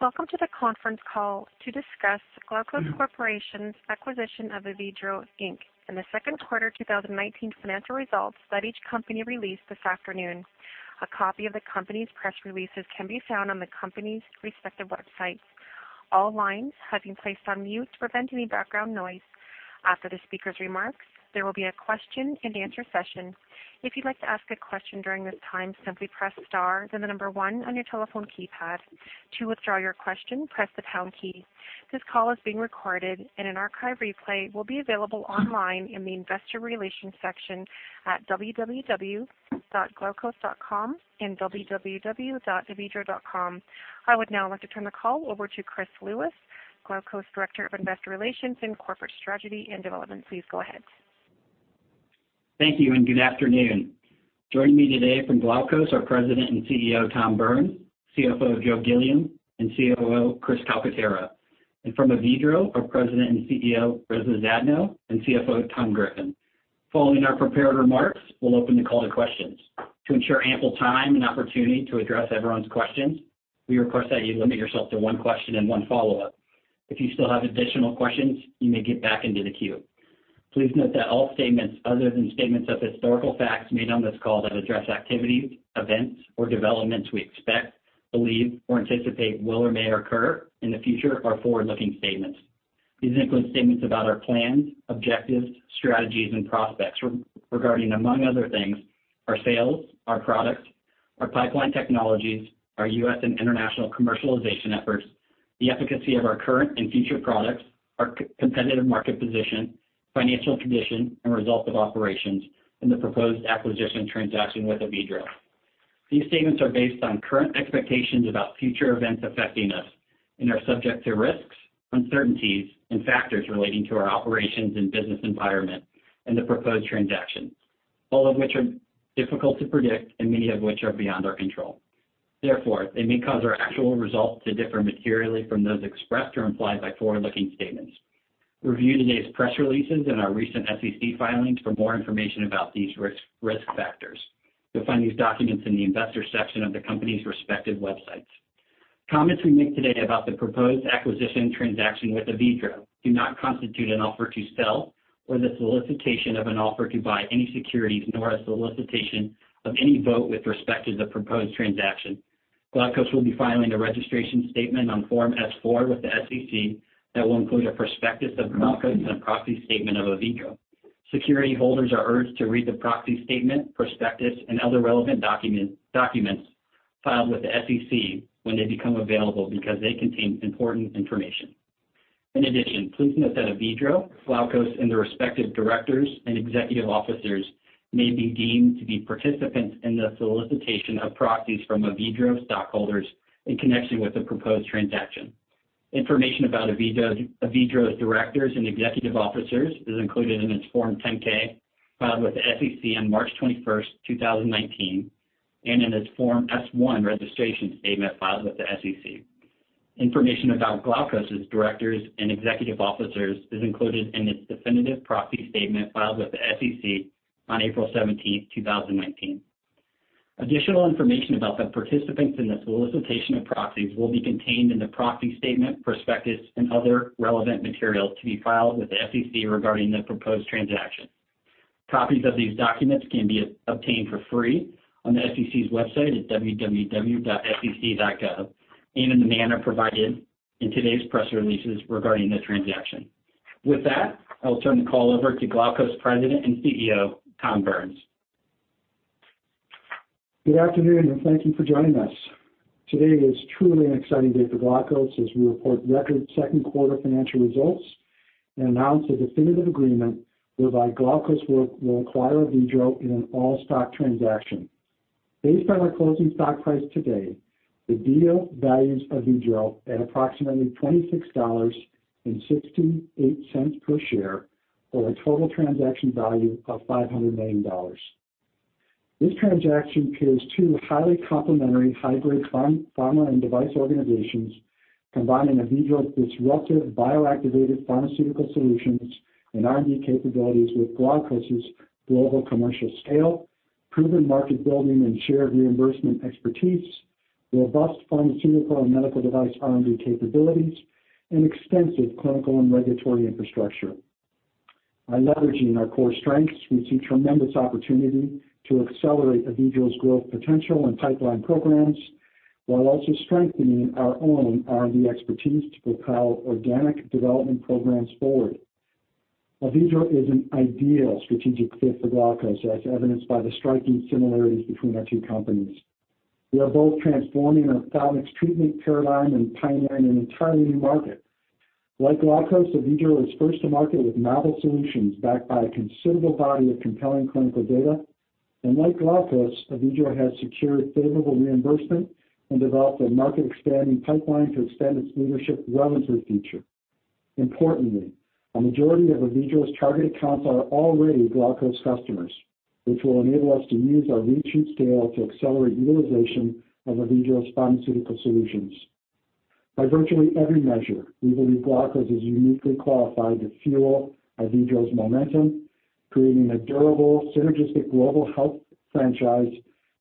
Welcome to the conference call to discuss Glaukos Corporation's acquisition of Avedro, Inc. and the second quarter 2019 financial results that each company released this afternoon. A copy of the company's press releases can be found on the company's respective websites. All lines have been placed on mute to prevent any background noise. After the speaker's remarks, there will be a question and answer session. If you'd like to ask a question during this time, simply press star then the number 1 on your telephone keypad. To withdraw your question, press the pound key. This call is being recorded. An archive replay will be available online in the investor relations section at www.glaukos.com and www.avedro.com. I would now like to turn the call over to Chris Lewis, Glaukos Director of Investor Relations and Corporate Strategy and Development. Please go ahead. Thank you. Good afternoon. Joining me today from Glaukos are President and CEO, Tom Burns, CFO, Joseph Gilliam, and COO, Chris Calcaterra, and from Avedro, our President and CEO, Reza Zadno, and CFO, Tom Griffin. Following our prepared remarks, we'll open the call to questions. To ensure ample time and opportunity to address everyone's questions, we request that you limit yourself to one question and one follow-up. If you still have additional questions, you may get back into the queue. Please note that all statements other than statements of historical facts made on this call that address activities, events, or developments we expect, believe, or anticipate will or may occur in the future are forward-looking statements. These include statements about our plans, objectives, strategies, and prospects regarding, among other things, our sales, our products, our pipeline technologies, our U.S. and international commercialization efforts, the efficacy of our current and future products, our competitive market position, financial condition, and results of operations, and the proposed acquisition transaction with Avedro. These statements are based on current expectations about future events affecting us and are subject to risks, uncertainties, and factors relating to our operations and business environment and the proposed transaction, all of which are difficult to predict and many of which are beyond our control. They may cause our actual results to differ materially from those expressed or implied by forward-looking statements. Review today's press releases and our recent SEC filings for more information about these risk factors. You'll find these documents in the investors section of the company's respective websites. Comments we make today about the proposed acquisition transaction with Avedro do not constitute an offer to sell or the solicitation of an offer to buy any securities, nor a solicitation of any vote with respect to the proposed transaction. Glaukos will be filing a registration statement on Form S-4 with the SEC that will include a prospectus of Glaukos and a proxy statement of Avedro. Security holders are urged to read the proxy statement, prospectus and other relevant documents filed with the SEC when they become available because they contain important information. In addition, please note that Avedro, Glaukos, and their respective directors and executive officers may be deemed to be participants in the solicitation of proxies from Avedro stockholders in connection with the proposed transaction. Information about Avedro's directors and executive officers is included in its Form 10-K filed with the SEC on March 21st, 2019, and in its Form S-1 registration statement filed with the SEC. Information about Glaukos's directors and executive officers is included in its definitive proxy statement filed with the SEC on April 17th, 2019. Additional information about the participants in the solicitation of proxies will be contained in the proxy statement, prospectus, and other relevant materials to be filed with the SEC regarding the proposed transaction. Copies of these documents can be obtained for free on the SEC's website at www.sec.gov and in the manner provided in today's press releases regarding the transaction. With that, I will turn the call over to Glaukos President and CEO, Tom Burns. Good afternoon, thank you for joining us. Today is truly an exciting day for Glaukos as we report record second quarter financial results and announce a definitive agreement whereby Glaukos will acquire Avedro in an all-stock transaction. Based on our closing stock price today, the deal values Avedro at approximately $26.68 per share or a total transaction value of $500 million. This transaction pairs two highly complementary hybrid pharma and device organizations, combining Avedro's disruptive bioactivated pharmaceutical solutions and R&D capabilities with Glaukos's global commercial scale, proven market building and shared reimbursement expertise, robust pharmaceutical and medical device R&D capabilities, and extensive clinical and regulatory infrastructure. By leveraging our core strengths, we see tremendous opportunity to accelerate Avedro's growth potential and pipeline programs while also strengthening our own R&D expertise to propel organic development programs forward. Avedro is an ideal strategic fit for Glaukos, as evidenced by the striking similarities between our two companies. We are both transforming ophthalmic treatment paradigm and pioneering an entirely new market. Like Glaukos, Avedro is first to market with novel solutions backed by a considerable body of compelling clinical data. Like Glaukos, Avedro has secured favorable reimbursement and developed a market-expanding pipeline to extend its leadership well into the future. Importantly, a majority of Avedro's target accounts are already Glaukos customers, which will enable us to use our reach and scale to accelerate utilization of Avedro's pharmaceutical solutions. By virtually every measure, we believe Glaukos is uniquely qualified to fuel Avedro's momentumCreating a durable, synergistic global health franchise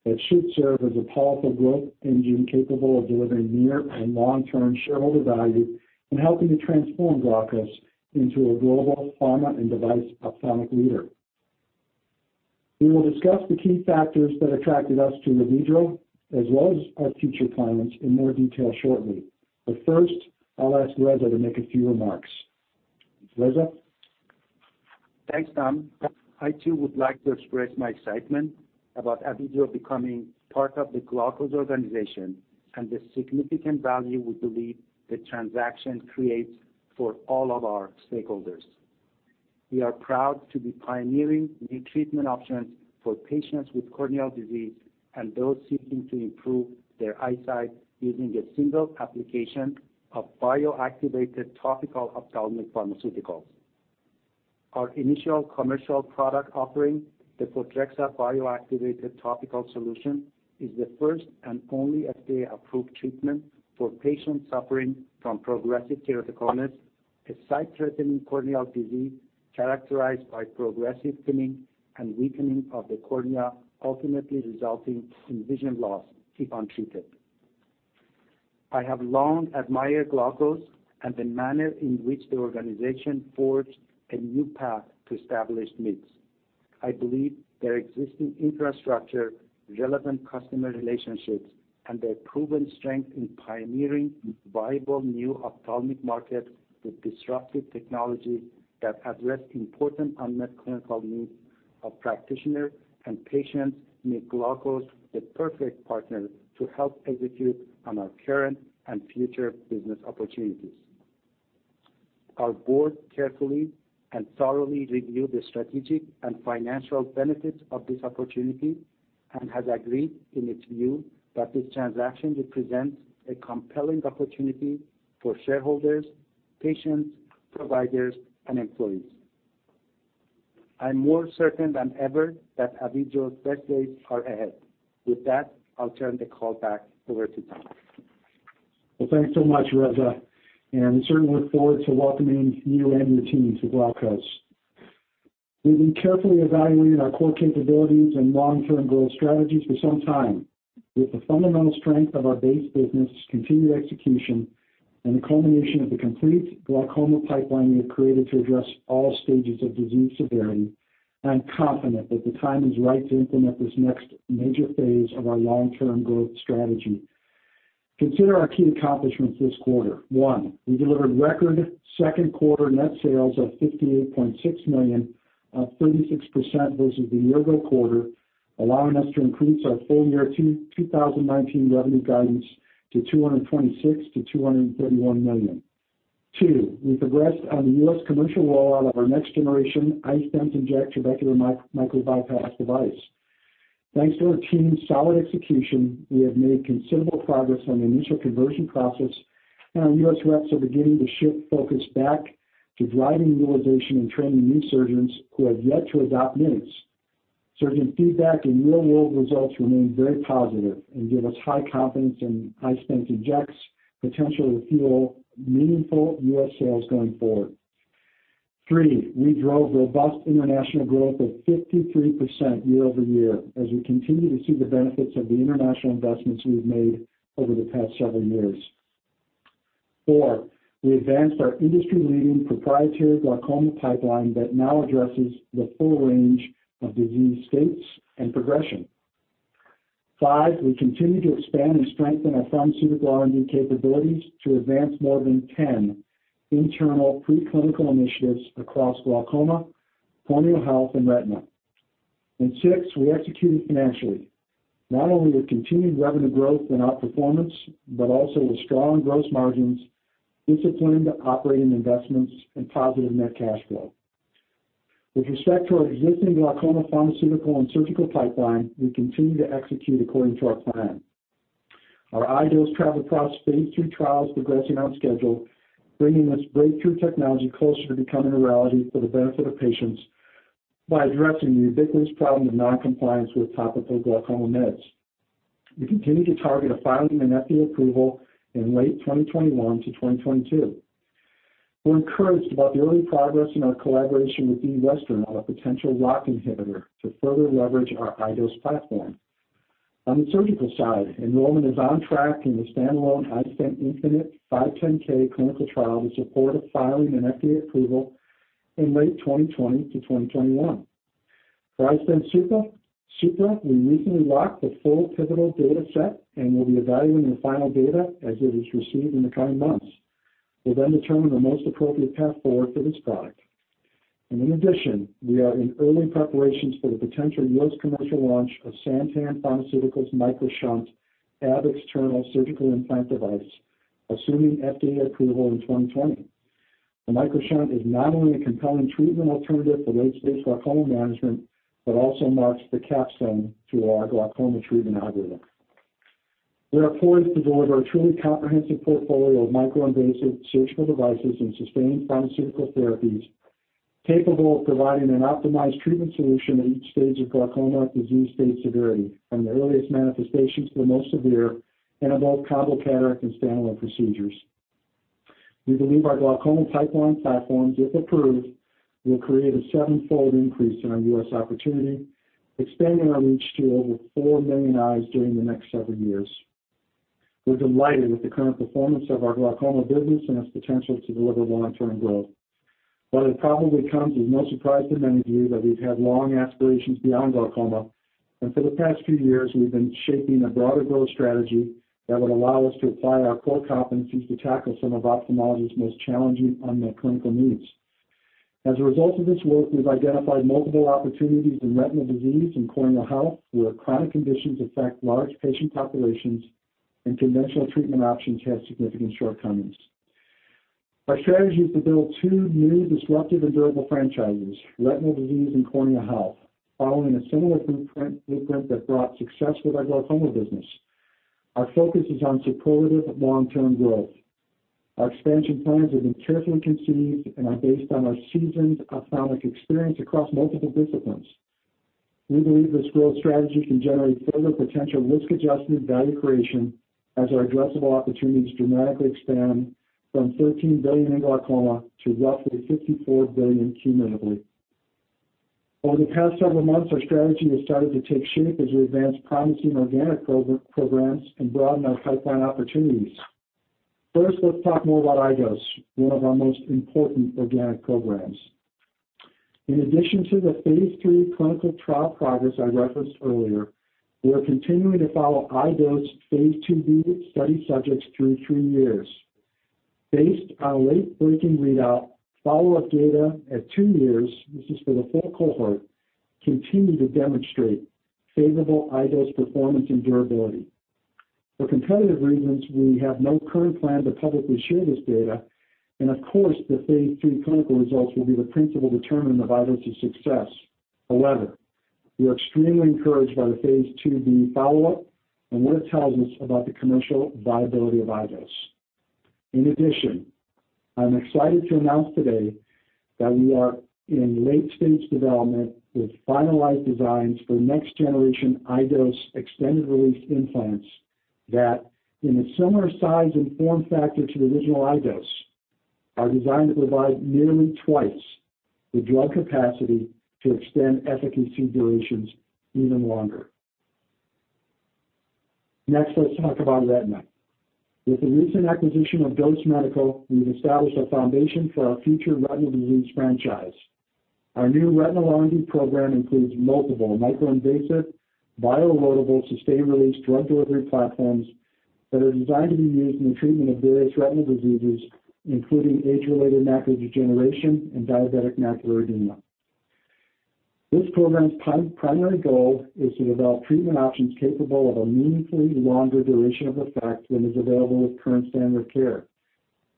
that should serve as a powerful growth engine capable of delivering near and long-term shareholder value and helping to transform Glaukos into a global pharma and device ophthalmic leader. We will discuss the key factors that attracted us to Avedro, as well as our future plans in more detail shortly. First, I'll ask Reza to make a few remarks. Reza? Thanks, Tom. I too would like to express my excitement about Avedro becoming part of the Glaukos organization and the significant value we believe the transaction creates for all of our stakeholders. We are proud to be pioneering new treatment options for patients with corneal disease and those seeking to improve their eyesight using a single application of bioactivated topical ophthalmic pharmaceuticals. Our initial commercial product offering, the Photrexa Bioactivated Topical Solution, is the first and only FDA-approved treatment for patients suffering from progressive keratoconus, a sight-threatening corneal disease characterized by progressive thinning and weakening of the cornea, ultimately resulting in vision loss if untreated. I have long admired Glaukos and the manner in which the organization forged a new path to established needs. I believe their existing infrastructure, relevant customer relationships, and their proven strength in pioneering viable new ophthalmic markets with disruptive technology that address important unmet clinical needs of practitioners and patients make Glaukos the perfect partner to help execute on our current and future business opportunities. Our board carefully and thoroughly reviewed the strategic and financial benefits of this opportunity and has agreed, in its view, that this transaction represents a compelling opportunity for shareholders, patients, providers, and employees. I'm more certain than ever that Avedro's best days are ahead. With that, I'll turn the call back over to Tom. Well, thanks so much, Reza, and we certainly look forward to welcoming you and your team to Glaukos. We've been carefully evaluating our core capabilities and long-term growth strategies for some time. With the fundamental strength of our base business, continued execution, and the culmination of the complete glaucoma pipeline we have created to address all stages of disease severity, I am confident that the time is right to implement this next major phase of our long-term growth strategy. Consider our key accomplishments this quarter. One, we delivered record second quarter net sales of $58.6 million, up 36% versus the year-ago quarter, allowing us to increase our full-year 2019 revenue guidance to $226 million-$231 million. Two, we've progressed on the U.S. commercial rollout of our next-generation iStent inject trabecular microbypass device. Thanks to our team's solid execution, we have made considerable progress on the initial conversion process, and our U.S. reps are beginning to shift focus back to driving utilization and training new surgeons who have yet to adopt MIGS. Surgeon feedback and real-world results remain very positive and give us high confidence in iStent inject's potential to fuel meaningful U.S. sales going forward. Three, we drove robust international growth of 53% year-over-year as we continue to see the benefits of the international investments we have made over the past several years. Four, we advanced our industry-leading proprietary glaucoma pipeline that now addresses the full range of disease states and progression. Five, we continue to expand and strengthen our pharmaceutical R&D capabilities to advance more than 10 internal preclinical initiatives across glaucoma, corneal health, and retina. 6, we executed financially, not only with continued revenue growth and outperformance but also with strong gross margins, disciplined operating investments, and positive net cash flow. With respect to our existing glaucoma pharmaceutical and surgical pipeline, we continue to execute according to our plan. Our iDose travoprost phase II trial is progressing on schedule, bringing this breakthrough technology closer to becoming a reality for the benefit of patients by addressing the ubiquitous problem of noncompliance with topical glaucoma meds. We continue to target a filing and FDA approval in late 2021-2022. We're encouraged about the early progress in our collaboration with D. Western on a potential ROCK inhibitor to further leverage our iDose platform. On the surgical side, enrollment is on track in the standalone iStent infinite 510(k) clinical trial in support of filing and FDA approval in late 2020-2021. For iStent Supra, we recently locked the full pivotal data set and will be evaluating the final data as it is received in the coming months. We'll then determine the most appropriate path forward for this product. In addition, we are in early preparations for the potential U.S. commercial launch of Santen Pharmaceutical's MicroShunt ab externo Surgical Implant device, assuming FDA approval in 2020. The MicroShunt is not only a compelling treatment alternative for late-stage glaucoma management but also marks the capstone to our glaucoma treatment algorithm. We are poised to deliver a truly comprehensive portfolio of micro-invasive surgical devices and sustained pharmaceutical therapies capable of providing an optimized treatment solution at each stage of glaucoma disease state severity, from the earliest manifestations to the most severe, and involve combo cataract and standalone procedures. We believe our glaucoma pipeline platforms, if approved, will create a sevenfold increase in our U.S. opportunity, expanding our reach to over 4 million eyes during the next several years. We're delighted with the current performance of our glaucoma business and its potential to deliver long-term growth. It probably comes as no surprise to many of you that we've had long aspirations beyond glaucoma, and for the past few years, we've been shaping a broader growth strategy that would allow us to apply our core competencies to tackle some of ophthalmology's most challenging unmet clinical needs. As a result of this work, we've identified multiple opportunities in retinal disease and corneal health, where chronic conditions affect large patient populations and conventional treatment options have significant shortcomings. Our strategy is to build two new disruptive and durable franchises, retinal disease and corneal health, following a similar blueprint that brought success with our glaucoma business. Our focus is on supportive long-term growth. Our expansion plans have been carefully conceived and are based on our seasoned ophthalmic experience across multiple disciplines. We believe this growth strategy can generate further potential risk-adjusted value creation as our addressable opportunities dramatically expand from $13 billion in glaucoma to roughly $54 billion cumulatively. Over the past several months, our strategy has started to take shape as we advance promising organic programs and broaden our pipeline opportunities. First, let's talk more about iDose, one of our most important organic programs. In addition to the phase III clinical trial progress I referenced earlier, we are continuing to follow iDose phase II-B study subjects through three years. Based on a late-breaking readout, follow-up data at two years, this is for the full cohort, continue to demonstrate favorable iDose performance and durability. For competitive reasons, we have no current plan to publicly share this data, and of course, the phase III clinical results will be the principal determinant of iDose's success. However, we are extremely encouraged by the phase IIb follow-up and what it tells us about the commercial viability of iDose. In addition, I'm excited to announce today that we are in late-stage development with finalized designs for next generation iDose extended-release implants that, in a similar size and form factor to the original iDose, are designed to provide nearly twice the drug capacity to extend efficacy durations even longer. Next, let's talk about retina. With the recent acquisition of DOSE Medical, we've established a foundation for our future retinal disease franchise. Our new retinal R&D program includes multiple micro-invasive, bio-loadable, sustained-release drug delivery platforms that are designed to be used in the treatment of various retinal diseases, including age-related macular degeneration and diabetic macular edema. This program's primary goal is to develop treatment options capable of a meaningfully longer duration of effect than is available with current standard care.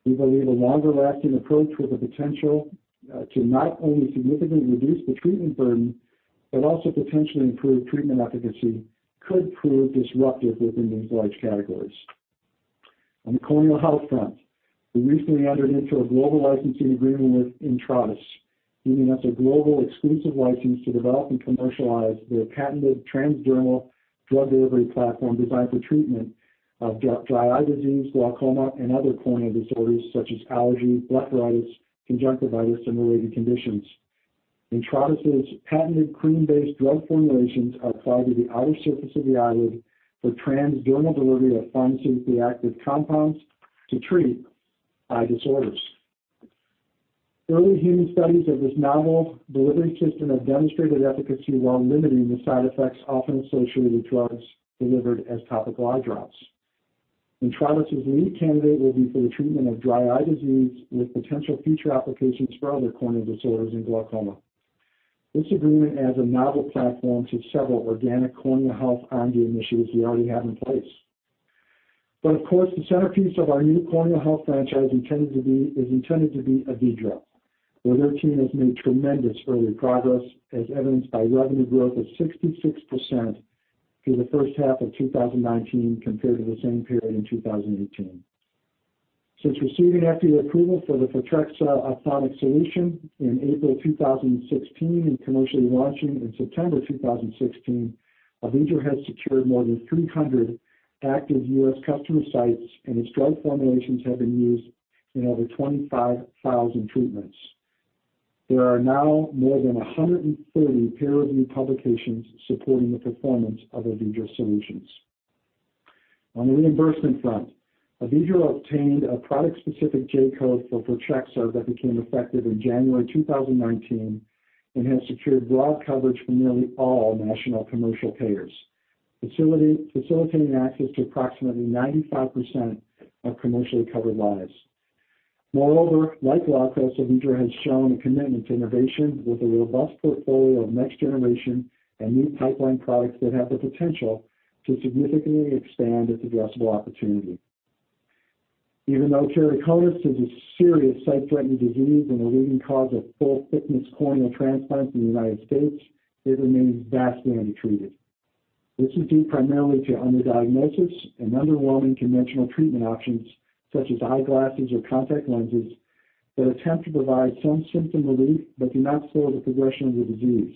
We believe a longer-lasting approach with the potential to not only significantly reduce the treatment burden, but also potentially improve treatment efficacy, could prove disruptive within these large categories. On the corneal health front, we recently entered into a global licensing agreement with Intratus, giving us a global exclusive license to develop and commercialize their patented transdermal drug delivery platform designed for treatment of dry eye disease, glaucoma, and other corneal disorders such as allergy, blepharitis, conjunctivitis, and related conditions. Intratus' patented cream-based drug formulations are applied to the outer surface of the eyelid for transdermal delivery of pharmaceutically active compounds to treat eye disorders. Early human studies of this novel delivery system have demonstrated efficacy while limiting the side effects often associated with drugs delivered as topical eye drops. Intratus' lead candidate will be for the treatment of dry eye disease with potential future applications for other corneal disorders and glaucoma. Of course, the centerpiece of our new corneal health franchise is intended to be Avedro, where their team has made tremendous early progress as evidenced by revenue growth of 66% for the first half of 2019 compared to the same period in 2018. Since receiving FDA approval for the Photrexa ophthalmic solution in April 2016 and commercially launching in September 2016, Avedro has secured more than 300 active U.S. customer sites, and its drug formulations have been used in over 25,000 treatments. There are now more than 130 peer-reviewed publications supporting the performance of Avedro solutions. On the reimbursement front, Avedro obtained a product-specific J-code for Photrexa that became effective in January 2019 and has secured broad coverage for nearly all national commercial payers, facilitating access to approximately 95% of commercially covered lives. Moreover, like Glaukos, Avedro has shown a commitment to innovation with a robust portfolio of next-generation and new pipeline products that have the potential to significantly expand its addressable opportunity. Even though keratoconus is a serious sight-threatening disease and a leading cause of full-thickness corneal transplants in the United States, it remains vastly undertreated. This is due primarily to underdiagnosis and underwhelming conventional treatment options, such as eyeglasses or contact lenses, that attempt to provide some symptom relief but do not slow the progression of the disease.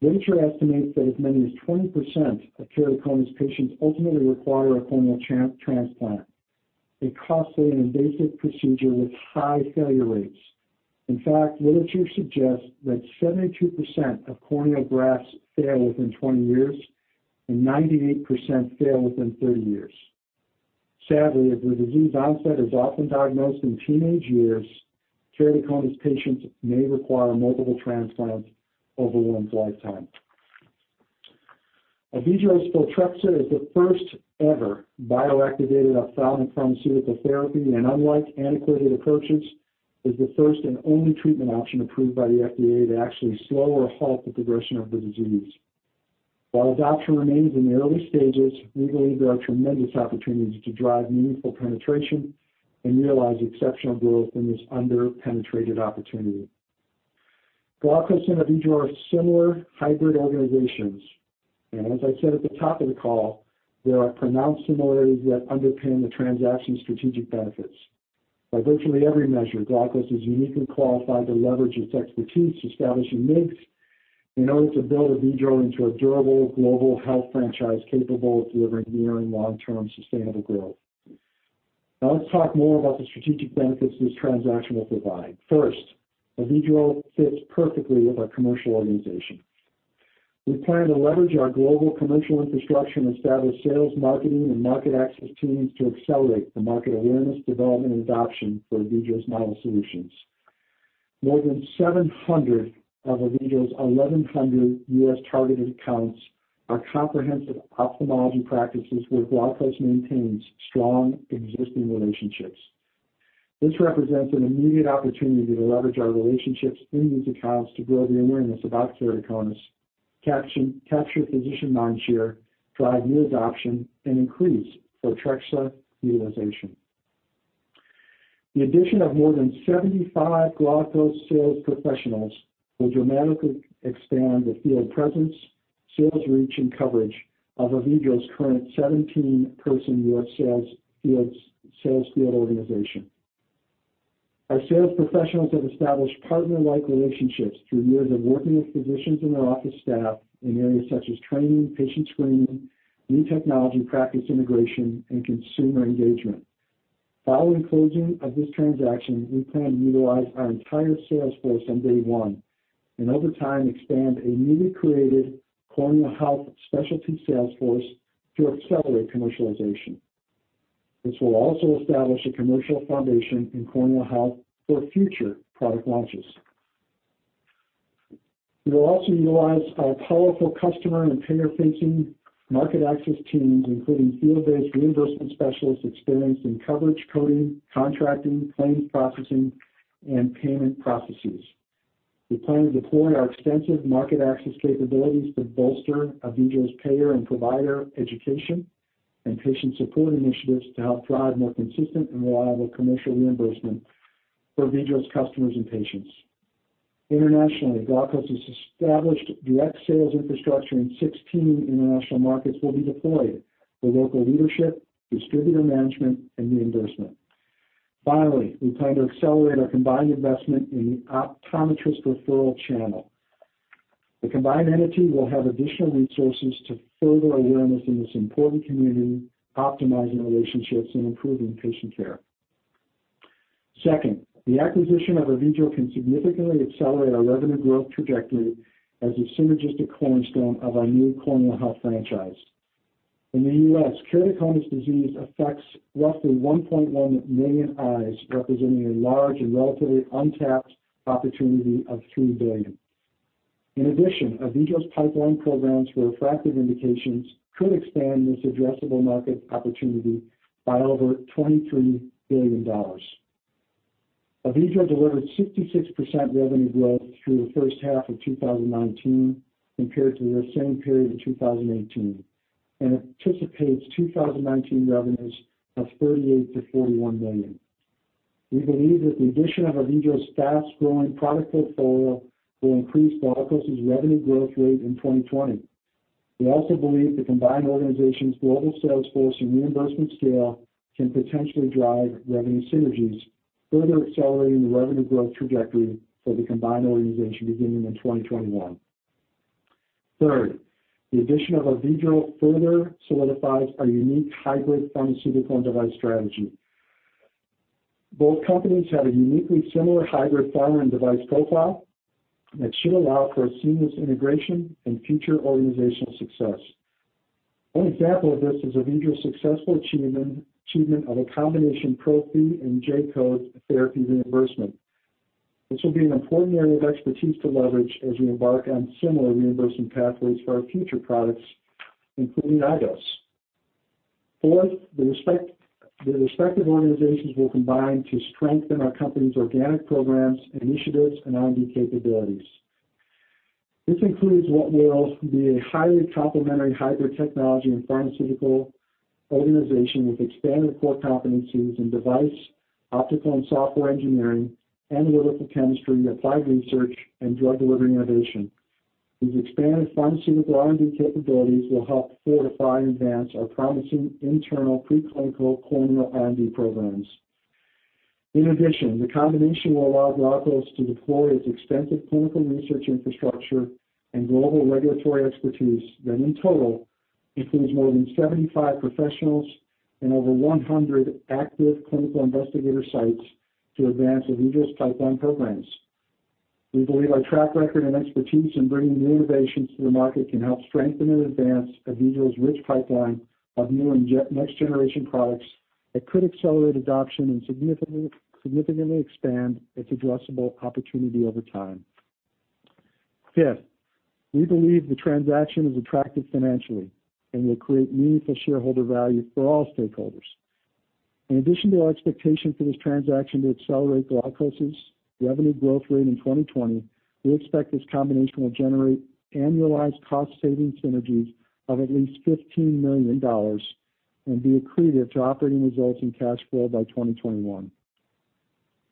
Literature estimates that as many as 20% of keratoconus patients ultimately require a corneal transplant, a costly and invasive procedure with high failure rates. In fact, literature suggests that 72% of corneal grafts fail within 20 years and 98% fail within 30 years. Sadly, as the disease onset is often diagnosed in teenage years, keratoconus patients may require multiple transplants over one's lifetime. Avedro's Photrexa is the first-ever bioactivated ophthalmic pharmaceutical therapy, and unlike antiquated approaches, is the first and only treatment option approved by the FDA to actually slow or halt the progression of the disease. While adoption remains in the early stages, we believe there are tremendous opportunities to drive meaningful penetration and realize exceptional growth in this under-penetrated opportunity. Glaukos and Avedro are similar hybrid organizations, and as I said at the top of the call, there are pronounced similarities that underpin the transaction's strategic benefits. By virtually every measure, Glaukos is uniquely qualified to leverage its expertise to establish MIGS in order to build Avedro into a durable global health franchise capable of delivering near and long-term sustainable growth. Let's talk more about the strategic benefits this transaction will provide. First, Avedro fits perfectly with our commercial organization. We plan to leverage our global commercial infrastructure and establish sales, marketing, and market access teams to accelerate the market awareness, development, and adoption for Avedro's novel solutions. More than 700 of Avedro's 1,100 U.S.-targeted accounts are comprehensive ophthalmology practices where Glaukos maintains strong existing relationships. This represents an immediate opportunity to leverage our relationships in these accounts to build the awareness about keratoconus, capture physician mind share, drive new adoption, and increase Photrexa utilization. The addition of more than 75 Glaukos sales professionals will dramatically expand the field presence, sales reach, and coverage of Avedro's current 17-person U.S. sales field organization. Our sales professionals have established partner-like relationships through years of working with physicians and their office staff in areas such as training, patient screening, new technology practice integration, and consumer engagement. Following closing of this transaction, we plan to utilize our entire sales force on day one and over time expand a newly created corneal health specialty sales force to accelerate commercialization. This will also establish a commercial foundation in corneal health for future product launches. We will also utilize our powerful customer- and payer-facing market access teams, including field-based reimbursement specialists experienced in coverage, coding, contracting, claims processing, and payment processes. We plan to deploy our extensive market access capabilities to bolster Avedro's payer and provider education and patient support initiatives to help drive more consistent and reliable commercial reimbursement for Avedro's customers and patients. Internationally, Glaukos' established direct sales infrastructure in 16 international markets will be deployed for local leadership, distributor management, and reimbursement. We plan to accelerate our combined investment in the optometrist referral channel. The combined entity will have additional resources to further awareness in this important community, optimizing relationships, and improving patient care. The acquisition of Avedro can significantly accelerate our revenue growth trajectory as a synergistic cornerstone of our new corneal health franchise. In the U.S., keratoconus disease affects roughly 1.1 million eyes, representing a large and relatively untapped opportunity of $3 billion. In addition, Avedro's pipeline programs for refractive indications could expand this addressable market opportunity by over $23 billion. Avedro delivered 66% revenue growth through the first half of 2019 compared to the same period in 2018 and anticipates 2019 revenues of $38 million-$41 million. We believe that the addition of Avedro's fast-growing product portfolio will increase Glaukos' revenue growth rate in 2020. We also believe the combined organization's global sales force and reimbursement scale can potentially drive revenue synergies, further accelerating the revenue growth trajectory for the combined organization beginning in 2021. Third, the addition of Avedro further solidifies our unique hybrid pharmaceutical and device strategy. Both companies have a uniquely similar hybrid pharma and device profile that should allow for a seamless integration and future organizational success. One example of this is Avedro's successful achievement of a combination pro-fee and J-code therapy reimbursement. This will be an important area of expertise to leverage as we embark on similar reimbursement pathways for our future products, including iDose. Fourth, the respective organizations will combine to strengthen our company's organic programs, initiatives, and R&D capabilities. This includes what will be a highly complementary hybrid technology and pharmaceutical organization with expanded core competencies in device, optical and software engineering, analytical chemistry, applied research, and drug delivery innovation. These expanded pharmaceutical R&D capabilities will help fortify and advance our promising internal preclinical corneal R&D programs. In addition, the combination will allow Glaukos to deploy its extensive clinical research infrastructure and global regulatory expertise that, in total, includes more than 75 professionals and over 100 active clinical investigator sites to advance Avedro's pipeline programs. We believe our track record and expertise in bringing new innovations to the market can help strengthen and advance Avedro's rich pipeline of new and next-generation products that could accelerate adoption and significantly expand its addressable opportunity over time. Fifth, we believe the transaction is attractive financially and will create meaningful shareholder value for all stakeholders. In addition to our expectation for this transaction to accelerate Glaukos' revenue growth rate in 2020, we expect this combination will generate annualized cost saving synergies of at least $15 million and be accretive to operating results and cash flow by 2021.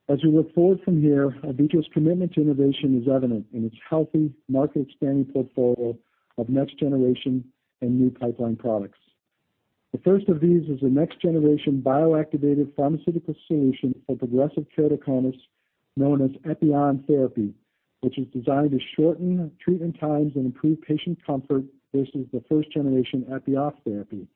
As we look forward from here, Avedro's commitment to innovation is evident in its healthy market-expanding portfolio of next-generation and new pipeline products. The first of these is the next-generation bioactivated pharmaceutical solution for progressive keratoconus, known as epi-on therapy, which is designed to shorten treatment times and improve patient comfort versus the first generation epi-on therapy.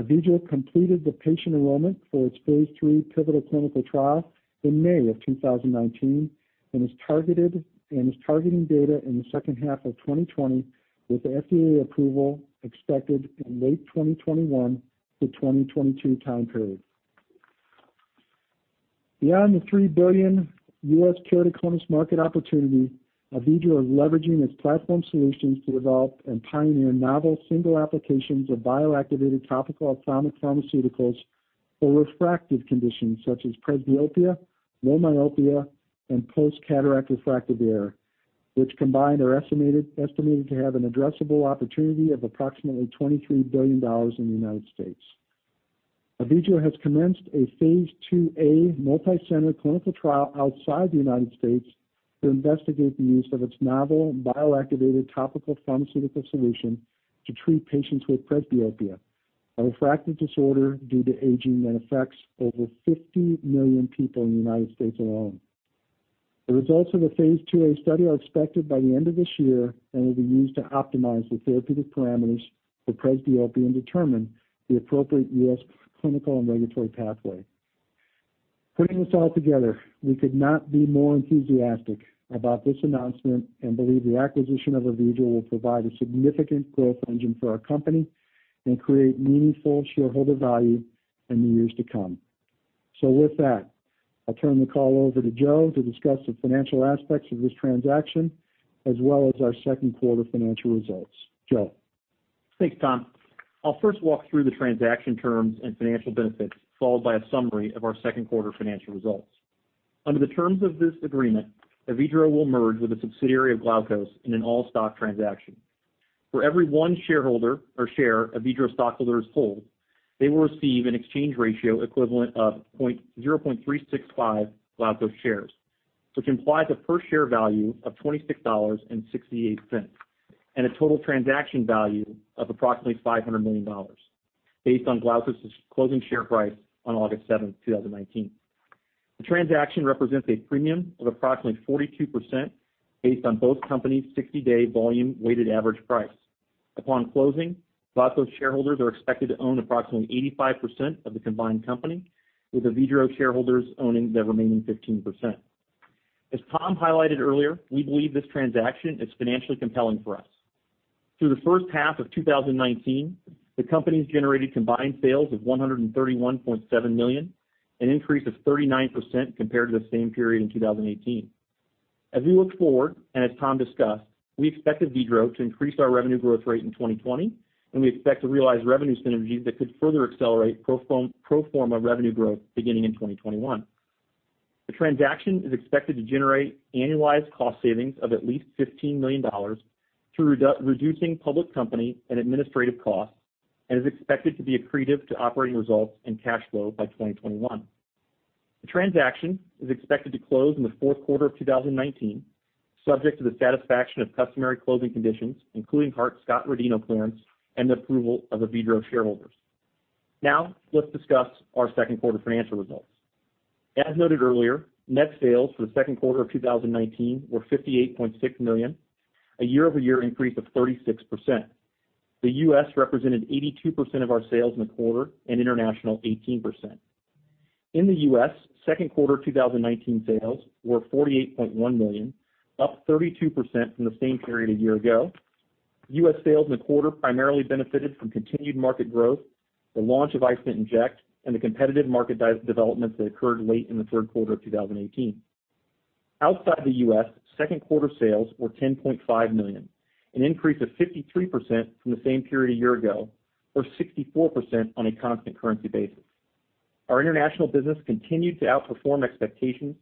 Avedro completed the patient enrollment for its phase III pivotal clinical trial in May of 2019 and is targeting data in the second half of 2020, with FDA approval expected in late 2021 to 2022 time period. Beyond the $3 billion U.S. keratoconus market opportunity, Avedro is leveraging its platform solutions to develop and pioneer novel single applications of bioactivated topical ophthalmic pharmaceuticals for refractive conditions such as presbyopia, low myopia, and post-cataract refractive error, which combined are estimated to have an addressable opportunity of approximately $23 billion in the U.S. Avedro has commenced a phase II-A multi-center clinical trial outside the U.S. to investigate the use of its novel bioactivated topical pharmaceutical solution to treat patients with presbyopia, a refractive disorder due to aging that affects over 50 million people in the U.S. alone. The results of the phase II-A study are expected by the end of this year and will be used to optimize the therapeutic parameters for presbyopia and determine the appropriate U.S. clinical and regulatory pathway. Putting this all together, we could not be more enthusiastic about this announcement and believe the acquisition of Avedro will provide a significant growth engine for our company and create meaningful shareholder value in the years to come. With that, I'll turn the call over to Joe to discuss the financial aspects of this transaction as well as our second quarter financial results. Joe. Thanks, Tom. I'll first walk through the transaction terms and financial benefits, followed by a summary of our second quarter financial results. Under the terms of this agreement, Avedro will merge with a subsidiary of Glaukos in an all-stock transaction. For every one shareholder or share Avedro stockholders hold, they will receive an exchange ratio equivalent of 0.365 Glaukos shares, which implies a per-share value of $26.68 and a total transaction value of approximately $500 million based on Glaukos' closing share price on August 7th, 2019. The transaction represents a premium of approximately 42% based on both companies' 60-day volume weighted average price. Upon closing, Glaukos shareholders are expected to own approximately 85% of the combined company, with Avedro shareholders owning the remaining 15%. As Tom highlighted earlier, we believe this transaction is financially compelling for us. Through the first half of 2019, the companies generated combined sales of $131.7 million, an increase of 39% compared to the same period in 2018. As we look forward, and as Tom discussed, we expect Avedro to increase our revenue growth rate in 2020, and we expect to realize revenue synergies that could further accelerate pro forma revenue growth beginning in 2021. The transaction is expected to generate annualized cost savings of at least $15 million through reducing public company and administrative costs and is expected to be accretive to operating results and cash flow by 2021. The transaction is expected to close in the fourth quarter of 2019, subject to the satisfaction of customary closing conditions, including Hart-Scott-Rodino clearance and the approval of Avedro shareholders. Now, let's discuss our second quarter financial results. As noted earlier, net sales for the second quarter of 2019 were $58.6 million, a year-over-year increase of 36%. The U.S. represented 82% of our sales in the quarter and international 18%. In the U.S., second quarter 2019 sales were $48.1 million, up 32% from the same period a year ago. U.S. sales in the quarter primarily benefited from continued market growth, the launch of iStent inject, and the competitive market developments that occurred late in the third quarter of 2018. Outside the U.S., second quarter sales were $10.5 million, an increase of 53% from the same period a year ago, or 64% on a constant currency basis. Our international business continued to outperform expectations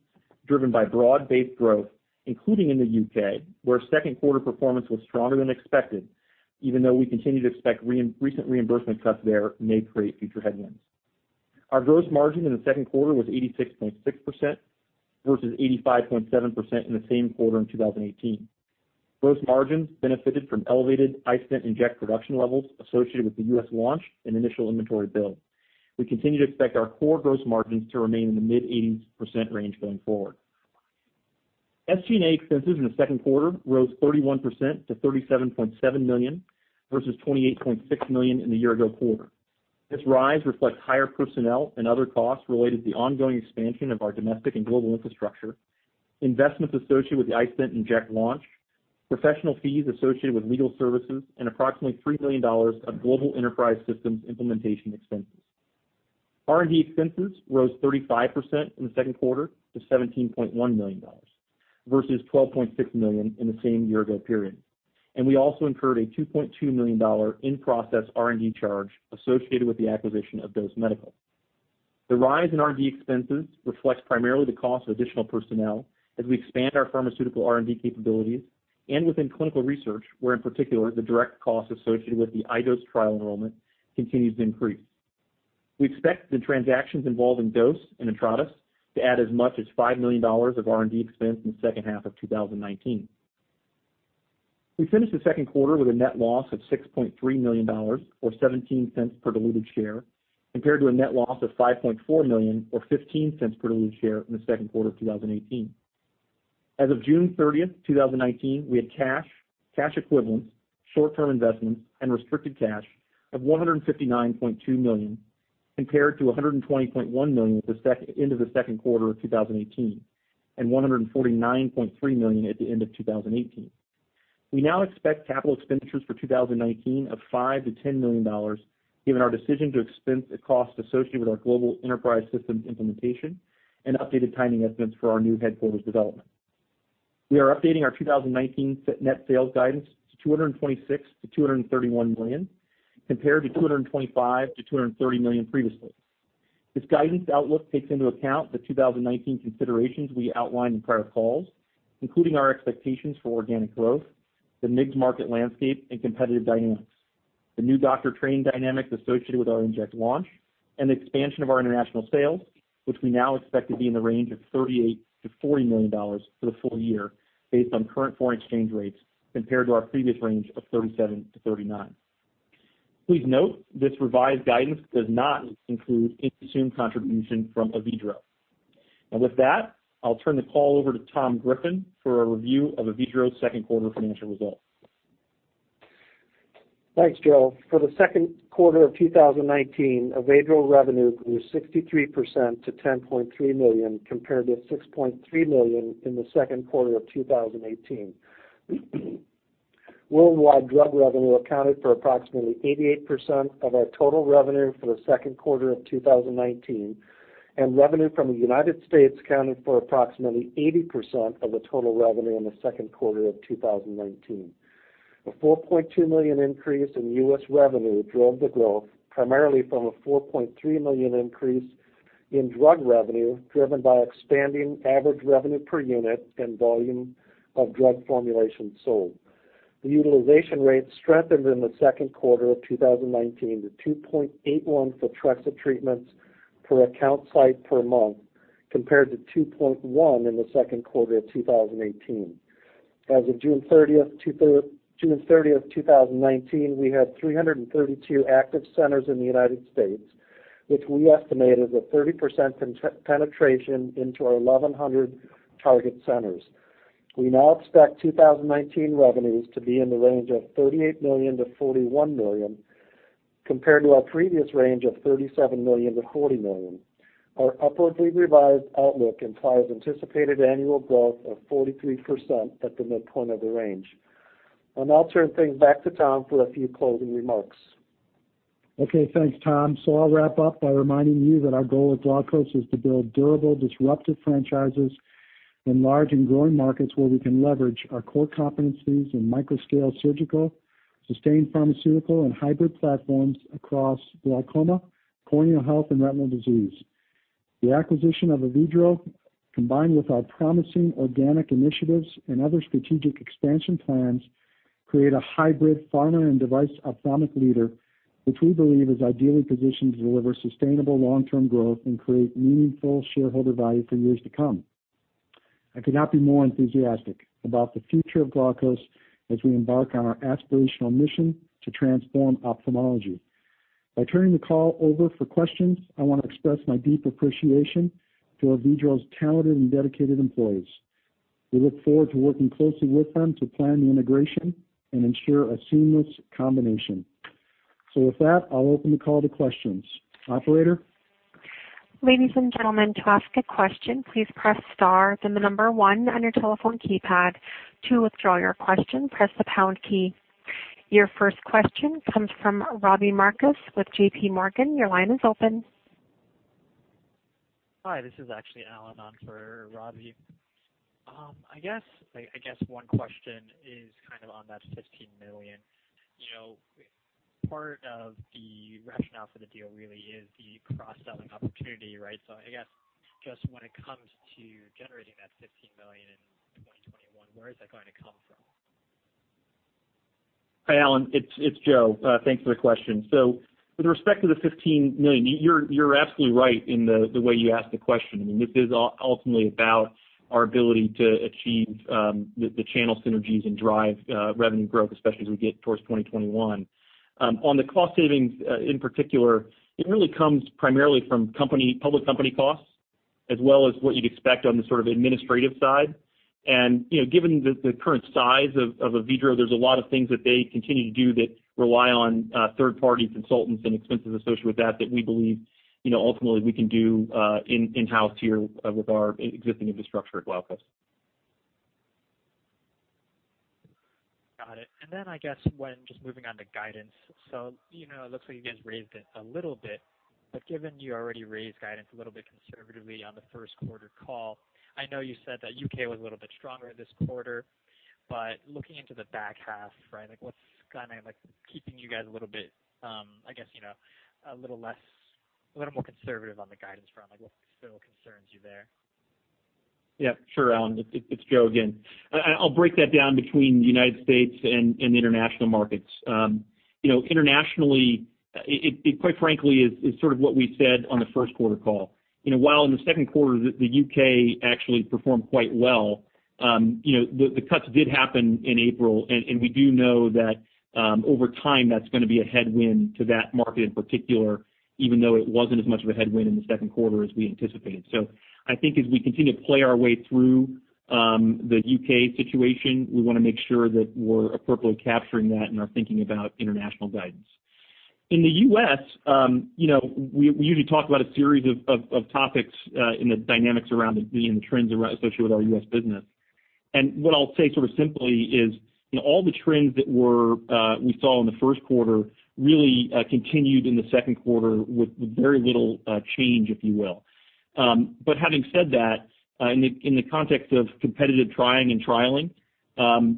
driven by broad-based growth, including in the U.K., where second quarter performance was stronger than expected, even though we continue to expect recent reimbursement cuts there may create future headwinds. Our gross margin in the second quarter was 86.6% versus 85.7% in the same quarter in 2018. Gross margins benefited from elevated iStent inject production levels associated with the U.S. launch and initial inventory build. We continue to expect our core gross margins to remain in the mid-80% range going forward. SG&A expenses in the second quarter rose 31% to $37.7 million versus $28.6 million in the year-ago quarter. This rise reflects higher personnel and other costs related to the ongoing expansion of our domestic and global infrastructure, investments associated with the iStent inject launch, professional fees associated with legal services, and approximately $3 million of global enterprise systems implementation expenses. R&D expenses rose 35% in the second quarter to $17.1 million versus $12.6 million in the same year-ago period, and we also incurred a $2.2 million in-process R&D charge associated with the acquisition of DOSE Medical. The rise in R&D expenses reflects primarily the cost of additional personnel as we expand our pharmaceutical R&D capabilities and within clinical research, where, in particular, the direct costs associated with the iDose trial enrollment continues to increase. We expect the transactions involving DOSE Medical and Intratus to add as much as $5 million of R&D expense in the second half of 2019. We finished the second quarter with a net loss of $6.3 million or $0.17 per diluted share compared to a net loss of $5.4 million or $0.15 per diluted share in the second quarter of 2018. As of June 30, 2019, we had cash equivalents, short-term investments, and restricted cash of $159.2 million compared to $120.1 million at the end of the second quarter of 2018 and $149.3 million at the end of 2018. We now expect capital expenditures for 2019 of $5 million-$10 million, given our decision to expense the cost associated with our global enterprise systems implementation and updated timing estimates for our new headquarters development. We are updating our 2019 net sales guidance to $226 million-$231 million compared to $225 million-$230 million previously. This guidance outlook takes into account the 2019 considerations we outlined in prior calls, including our expectations for organic growth, the MIGS market landscape and competitive dynamics, the new doctor training dynamics associated with our iStent inject launch, and the expansion of our international sales, which we now expect to be in the range of $38 million-$40 million for the full year based on current foreign exchange rates compared to our previous range of $37 million-$39 million. Please note, this revised guidance does not include any contribution from Avedro. Now with that, I'll turn the call over to Tom Griffin for a review of Avedro's second quarter financial results. Thanks, Joe. For the second quarter of 2019, Avedro revenue grew 63% to $10.3 million compared to $6.3 million in the second quarter of 2018. Worldwide drug revenue accounted for approximately 88% of our total revenue for the second quarter of 2019. Revenue from the U.S. accounted for approximately 80% of the total revenue in the second quarter of 2019. A $4.2 million increase in U.S. revenue drove the growth primarily from a $4.3 million increase in drug revenue driven by expanding average revenue per unit and volume of drug formulation sold. The utilization rate strengthened in the second quarter of 2019 to 2.81 for Photrexa treatments per account site per month compared to 2.1 in the second quarter of 2018. As of June 30th, 2019, we had 332 active centers in the U.S., which we estimated a 30% penetration into our 1,100 target centers. We now expect 2019 revenues to be in the range of $38 million-$41 million compared to our previous range of $37 million-$40 million. Our upwardly revised outlook implies anticipated annual growth of 43% at the midpoint of the range. I'll turn things back to Tom for a few closing remarks. Okay, thanks, Tom. I'll wrap up by reminding you that our goal at Glaukos is to build durable, disruptive franchises in large and growing markets where we can leverage our core competencies in micro-scale surgical, sustained pharmaceutical, and hybrid platforms across glaucoma, corneal health, and retinal disease. The acquisition of Avedro, combined with our promising organic initiatives and other strategic expansion plans, create a hybrid pharma and device ophthalmic leader, which we believe is ideally positioned to deliver sustainable long-term growth and create meaningful shareholder value for years to come. I could not be more enthusiastic about the future of Glaukos as we embark on our aspirational mission to transform ophthalmology. By turning the call over for questions, I want to express my deep appreciation to Avedro's talented and dedicated employees. We look forward to working closely with them to plan the integration and ensure a seamless combination. With that, I'll open the call to questions. Operator? Ladies and gentlemen, to ask a question, please press star, then the number 1 on your telephone keypad. To withdraw your question, press the pound key. Your first question comes from Robbie Marcus with JPMorgan. Your line is open. Hi, this is actually Alan on for Robbie. I guess one question is on that $15 million. Part of the rationale for the deal really is the cross-selling opportunity, right? I guess just when it comes to generating that $15 million in 2021, where is that going to come from? Hi, Alan, it's Joe. Thanks for the question. With respect to the $15 million, you're absolutely right in the way you ask the question. I mean, this is ultimately about our ability to achieve the channel synergies and drive revenue growth, especially as we get towards 2021. On the cost savings, in particular, it really comes primarily from public company costs as well as what you'd expect on the sort of administrative side. Given the current size of Avedro, there's a lot of things that they continue to do that rely on third-party consultants and expenses associated with that we believe, ultimately we can do in-house here with our existing infrastructure at Glaukos. Got it. I guess just moving on to guidance, it looks like you guys raised it a little bit, given you already raised guidance a little bit conservatively on the first quarter call, I know you said that U.K. was a little bit stronger this quarter, looking into the back half, right, what's keeping you guys a little bit, I guess, a little more conservative on the guidance front? What still concerns you there? Yeah, sure, Alan. It's Joe again. I'll break that down between the U.S. and the international markets. Internationally, it quite frankly is sort of what we said on the first quarter call. In the second quarter, the U.K. actually performed quite well. The cuts did happen in April, and we do know that, over time, that's going to be a headwind to that market in particular, even though it wasn't as much of a headwind in the second quarter as we anticipated. I think as we continue to play our way through the U.K. situation, we want to make sure that we're appropriately capturing that and are thinking about international guidance. In the U.S., we usually talk about a series of topics in the dynamics around it being the trends associated with our U.S. business. What I'll say sort of simply is all the trends that we saw in the first quarter really continued in the second quarter with very little change, if you will. Having said that, in the context of competitive trying and trialing,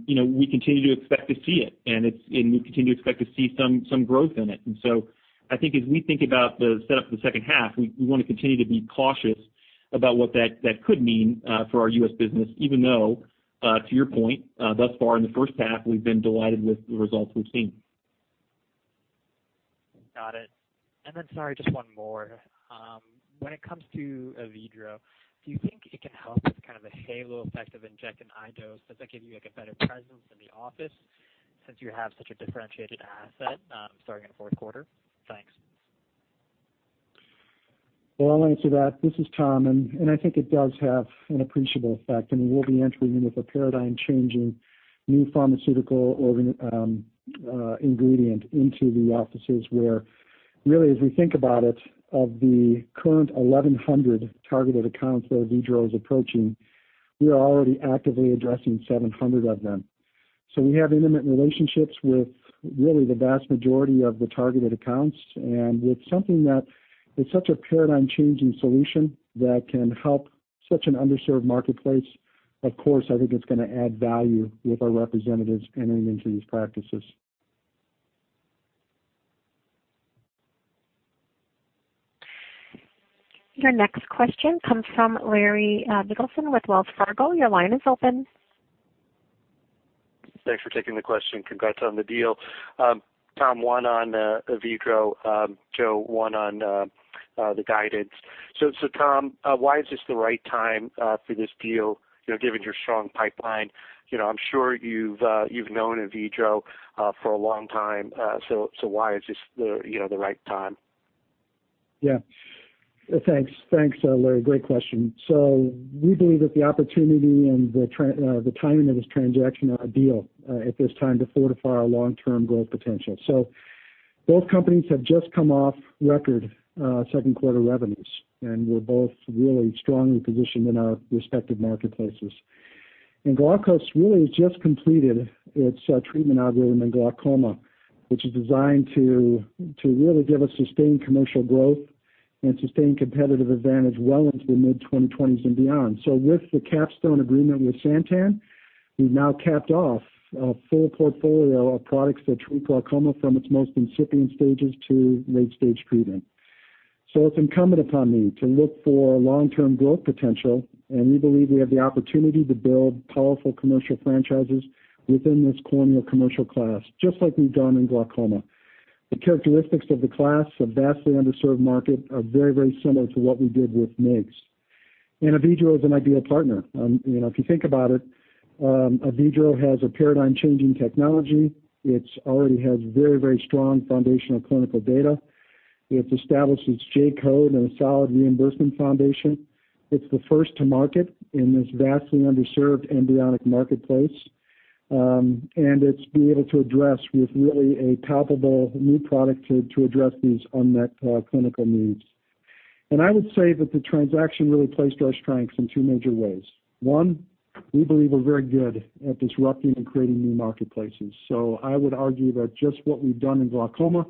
we continue to expect to see it, and we continue to expect to see some growth in it. I think as we think about the setup for the second half, we want to continue to be cautious about what that could mean for our U.S. business, even though, to your point, thus far in the first half, we've been delighted with the results we've seen. Got it. Sorry, just one more. When it comes to Avedro, do you think it can help with kind of a halo effect of injecting iDose? Does that give you a better presence in the office since you have such a differentiated asset starting in the fourth quarter? Thanks. Well, I'll answer that. This is Tom, and I think it does have an appreciable effect, and we'll be entering in with a paradigm-changing new pharmaceutical ingredient into the offices where really, as we think about it, of the current 1,100 targeted accounts that Avedro is approaching, we are already actively addressing 700 of them. We have intimate relationships with really the vast majority of the targeted accounts, and with something that is such a paradigm-changing solution that can help such an underserved marketplace, of course, I think it's going to add value with our representatives entering into these practices. Your next question comes from Larry Biegelsen with Wells Fargo. Your line is open. Thanks for taking the question. Congrats on the deal. Tom, one on Avedro, Joe, one on the guidance. Tom, why is this the right time for this deal, given your strong pipeline? I'm sure you've known Avedro for a long time, so why is this the right time? Thanks. Thanks, Larry. Great question. We believe that the opportunity and the timing of this transaction are ideal at this time to fortify our long-term growth potential. Both companies have just come off record second quarter revenues, and we're both really strongly positioned in our respective marketplaces. Glaukos really has just completed its treatment algorithm in glaucoma, which is designed to really give us sustained commercial growth and sustained competitive advantage well into the mid-2020s and beyond. With the capstone agreement with Santen, we've now capped off a full portfolio of products that treat glaucoma from its most incipient stages to late-stage treatment. It's incumbent upon me to look for long-term growth potential, and we believe we have the opportunity to build powerful commercial franchises within this corneal commercial class, just like we've done in glaucoma. The characteristics of the class, a vastly underserved market, are very, very similar to what we did with MIGS. Avedro is an ideal partner. If you think about it, Avedro has a paradigm-changing technology. It already has very, very strong foundational clinical data. It's established its J-code and a solid reimbursement foundation. It's the first to market in this vastly underserved embryonic marketplace. It's been able to address with really a palpable new product to address these unmet clinical needs. I would say that the transaction really plays to our strengths in two major ways. One, we believe we're very good at disrupting and creating new marketplaces. I would argue that just what we've done in glaucoma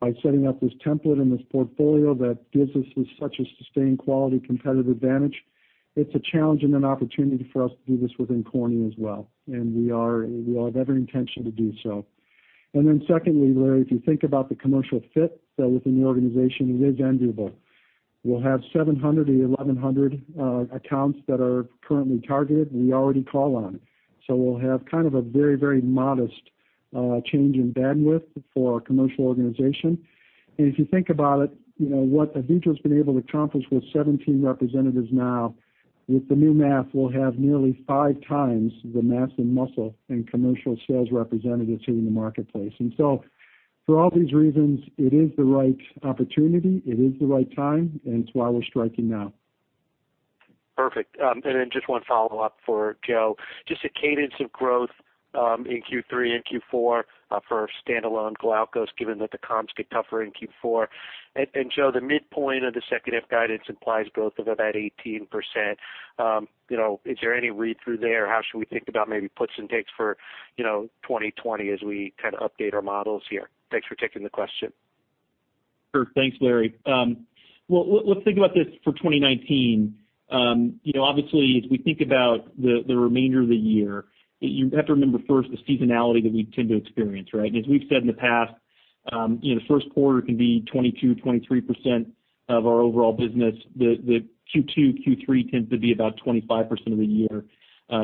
by setting up this template and this portfolio that gives us such a sustained quality competitive advantage, it's a challenge and an opportunity for us to do this within cornea as well, and we are of every intention to do so. Then secondly, Larry, if you think about the commercial fit within the organization, it is enviable. We'll have 700 to 1,100 accounts that are currently targeted, we already call on. We'll have kind of a very modest change in bandwidth for our commercial organization. If you think about it, what Avedro's been able to accomplish with 17 representatives now, with the new math, we'll have nearly five times the mass and muscle in commercial sales representatives hitting the marketplace. For all these reasons, it is the right opportunity, it is the right time, and it's why we're striking now. Perfect. Then just one follow-up for Joe. Just a cadence of growth in Q3 and Q4 for standalone Glaukos, given that the comps get tougher in Q4. Joe, the midpoint of the second half guidance implies growth of about 18%. Is there any read-through there? How should we think about maybe puts and takes for 2020 as we kind of update our models here? Thanks for taking the question. Sure. Thanks, Larry. Let's think about this for 2019. Obviously, as we think about the remainder of the year, you have to remember first the seasonality that we tend to experience, right? As we've said in the past, first quarter can be 22%, 23% of our overall business. The Q2, Q3 tends to be about 25% of the year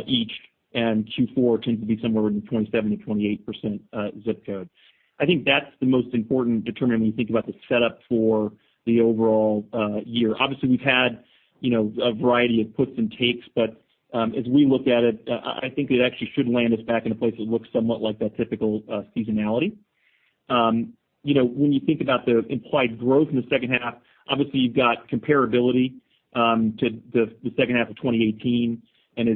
each, and Q4 tends to be somewhere in the 27%-28% zip code. I think that's the most important determiner when you think about the setup for the overall year. Obviously, we've had a variety of puts and takes, as we look at it, I think it actually should land us back in a place that looks somewhat like that typical seasonality. When you think about the implied growth in the second half, obviously you've got comparability to the second half of 2018. As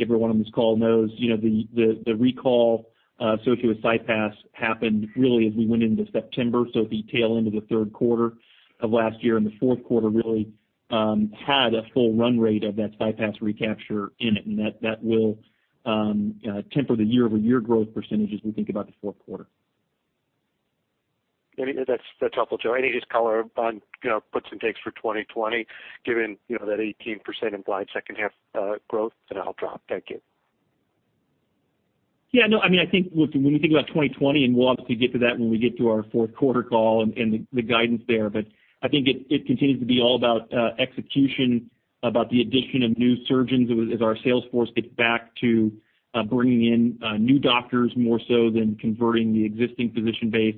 everyone on this call knows, the recall associated with CyPass happened really as we went into September, so the tail end of the third quarter of last year. The fourth quarter really had a full run rate of that CyPass recapture in it. That will temper the year-over-year growth % as we think about the fourth quarter. That's helpful, Joe. Any just color on puts and takes for 2020, given that 18% implied second half growth? I'll drop. Thank you. I think when you think about 2020, and we'll obviously get to that when we get to our fourth quarter call and the guidance there, I think it continues to be all about execution, about the addition of new surgeons as our sales force gets back to bringing in new doctors more so than converting the existing physician base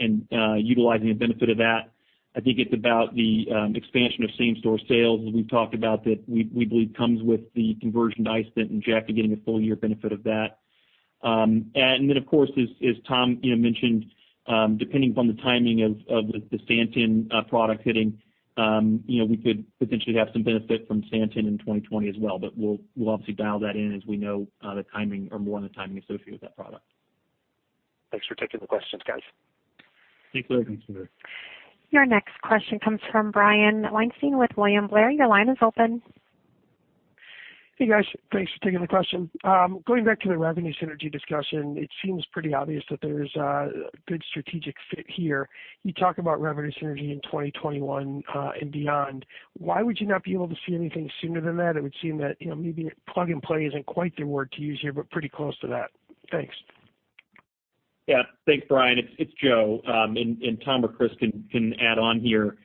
and utilizing the benefit of that. I think it's about the expansion of same-store sales, as we've talked about, that we believe comes with the conversion to iStent inject getting a full year benefit of that. Then, of course, as Tom mentioned, depending upon the timing of the Santen product hitting, we could potentially have some benefit from Santen in 2020 as well. We'll obviously dial that in as we know more on the timing associated with that product. Thanks for taking the questions, guys. Thanks, Larry. Thanks. Your next question comes from Brian Weinstein with William Blair. Your line is open. Hey, guys. Thanks for taking the question. Going back to the revenue synergy discussion, it seems pretty obvious that there's a good strategic fit here. You talk about revenue synergy in 2021 and beyond. Why would you not be able to see anything sooner than that? It would seem that maybe plug and play isn't quite the word to use here, but pretty close to that. Thanks. Yeah. Thanks, Brian. It's Joe, and Tom or Chris can add on here.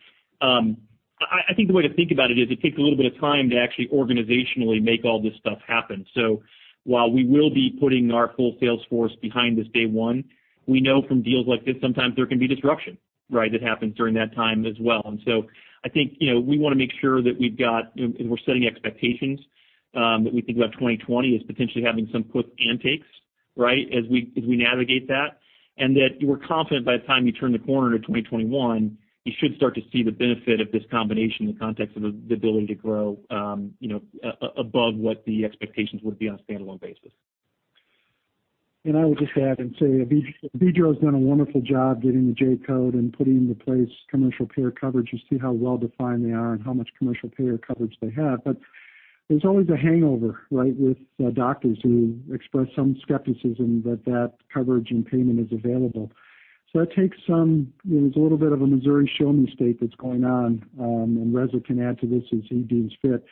I think the way to think about it is it takes a little bit of time to actually organizationally make all this stuff happen. While we will be putting our full sales force behind this day one, we know from deals like this, sometimes there can be disruption, right? That happens during that time as well. I think we want to make sure that we're setting expectations that we think about 2020 as potentially having some puts and takes, right, as we navigate that. That we're confident by the time you turn the corner to 2021, you should start to see the benefit of this combination in the context of the ability to grow above what the expectations would be on a standalone basis. I would just add and say, Avedro's done a wonderful job getting the J-code and putting into place commercial payer coverage. You see how well-defined they are and how much commercial payer coverage they have. There's always a hangover, right, with doctors who express some skepticism that that coverage and payment is available. There's a little bit of a Missouri Show Me state that's going on, and Reza can add to this as he deems fit,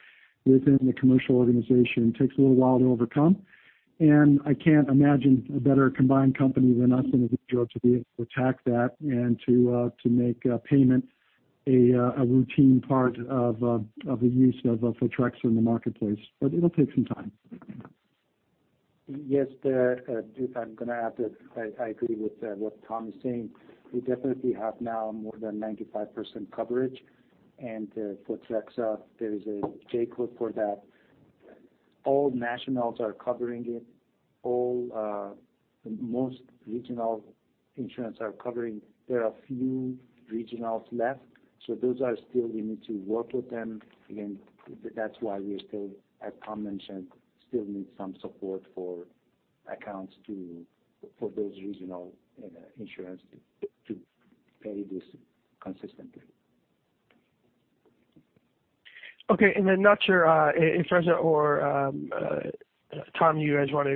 within the commercial organization. It takes a little while to overcome, and I can't imagine a better combined company than us and Avedro to be able to attack that and to make payment a routine part of the use of Photrexa in the marketplace. It'll take some time. Yes. I'm going to add that I agree with what Tom is saying. We definitely have now more than 95% coverage, and for Photrexa, there is a J-code for that. All nationals are covering it. Most regional insurance are covering. There are a few regionals left, so those are still, we need to work with them. Again, that's why we still, as Tom mentioned, still need some support for accounts for those regional insurance to pay this consistently. Okay, not sure if Reza or Tom, which one of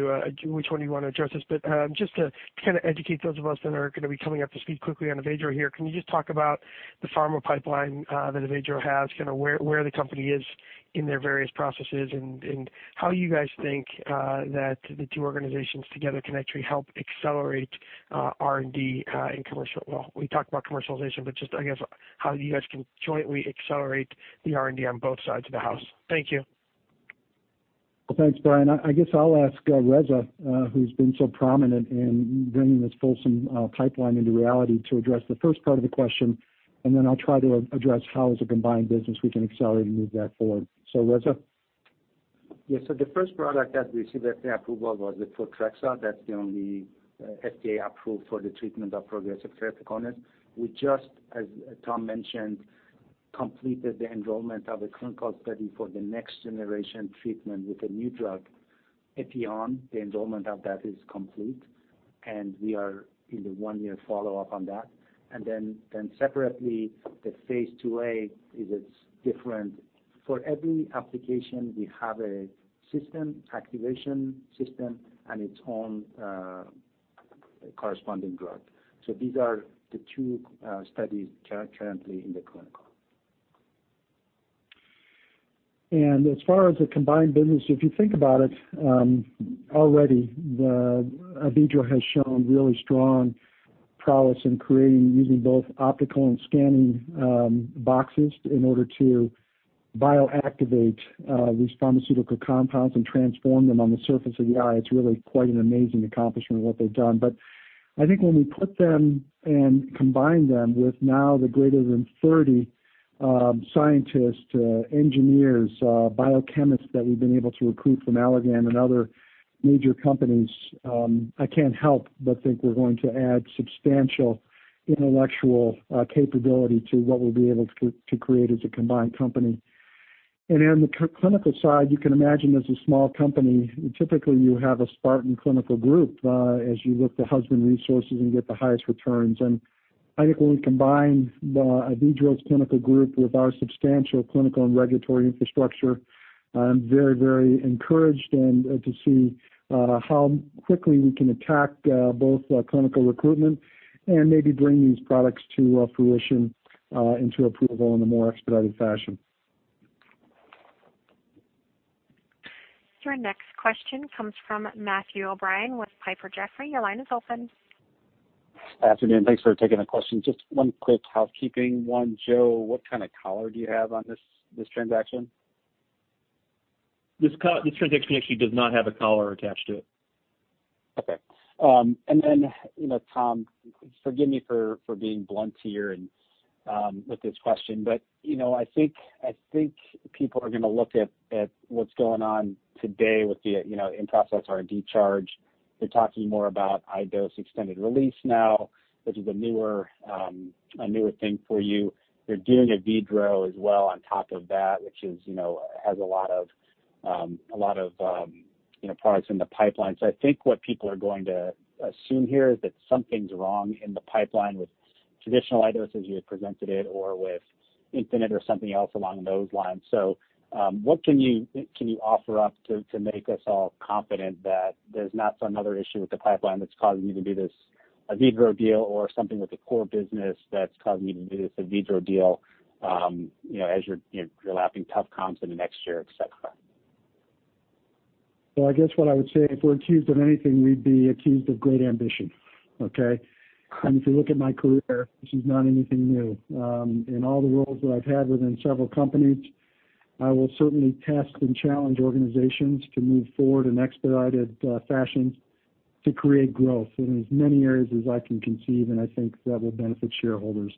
you want to address this, but just to kind of educate those of us that are going to be coming up to speed quickly on Avedro here, can you just talk about the pharma pipeline that Avedro has? Kind of where the company is in their various processes and how you guys think that the two organizations together can actually help accelerate R&D and commercial. Well, we talked about commercialization, but just, I guess how you guys can jointly accelerate the R&D on both sides of the house. Thank you. Well, thanks, Brian. I guess I'll ask Reza, who's been so prominent in bringing this fulsome pipeline into reality, to address the first part of the question, and then I'll try to address how, as a combined business, we can accelerate and move that forward. Reza? Yes. The first product that received FDA approval was the Photrexa. That's the only FDA-approved for the treatment of progressive keratoconus. We just, as Tom mentioned, completed the enrollment of a clinical study for the next generation treatment with a new drug, Epi-on. The enrollment of that is complete, and we are in the one-year follow-up on that. Separately, the phase IIa is different. For every application, we have a system, activation system, and its own corresponding drug. These are the two studies currently in the clinical. As far as the combined business, if you think about it, already the Avedro has shown really strong prowess in creating using both optical and scanning boxes in order to bioactivate these pharmaceutical compounds and transform them on the surface of the eye. It's really quite an amazing accomplishment what they've done. I think when we put them and combine them with now the greater than 30 scientists, engineers, biochemists that we've been able to recruit from Allergan and other major companies, I can't help but think we're going to add substantial intellectual capability to what we'll be able to create as a combined company. On the clinical side, you can imagine as a small company, typically you have a Spartan clinical group, as you look to husband resources and get the highest returns. I think when we combine the Avedro's clinical group with our substantial clinical and regulatory infrastructure, I'm very encouraged to see how quickly we can attack both clinical recruitment and maybe bring these products to fruition, and to approval in a more expedited fashion. Your next question comes from Matthew O'Brien with Piper Jaffray. Your line is open. Afternoon. Thanks for taking the question. Just one quick housekeeping one. Joe, what kind of collar do you have on this transaction? This transaction actually does not have a collar attached to it. Okay. Tom, forgive me for being blunt here and with this question, but I think people are going to look at what's going on today with the in-process R&D charge. You're talking more about iDose extended release now, which is a newer thing for you. You're doing Avedro as well on top of that, which has a lot of products in the pipeline. I think what people are going to assume here is that something's wrong in the pipeline with traditional iDose as you had presented it, or with Infinite or something else along those lines. What can you offer up to make us all confident that there's not another issue with the pipeline that's causing you to do this Avedro deal or something with the core business that's causing you to do this Avedro deal as you're lapping tough comps in the next year, et cetera? Well, I guess what I would say, if we're accused of anything, we'd be accused of great ambition. Okay? If you look at my career, this is not anything new. In all the roles that I've had within several companies, I will certainly test and challenge organizations to move forward in expedited fashions to create growth in as many areas as I can conceive, and I think that will benefit shareholders.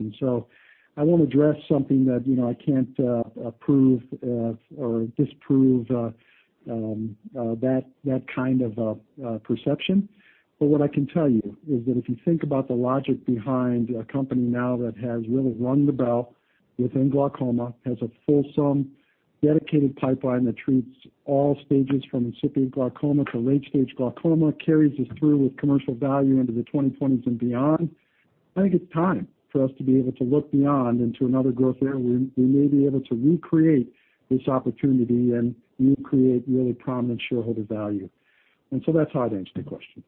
I won't address something that I can't prove or disprove that kind of perception. What I can tell you is that if you think about the logic behind a company now that has really rung the bell within glaucoma, has a fulsome, dedicated pipeline that treats all stages from incipient glaucoma to late stage glaucoma, carries us through with commercial value into the 2020s and beyond. I think it's time for us to be able to look beyond into another growth area where we may be able to recreate this opportunity and recreate really prominent shareholder value. That's how I'd answer the question.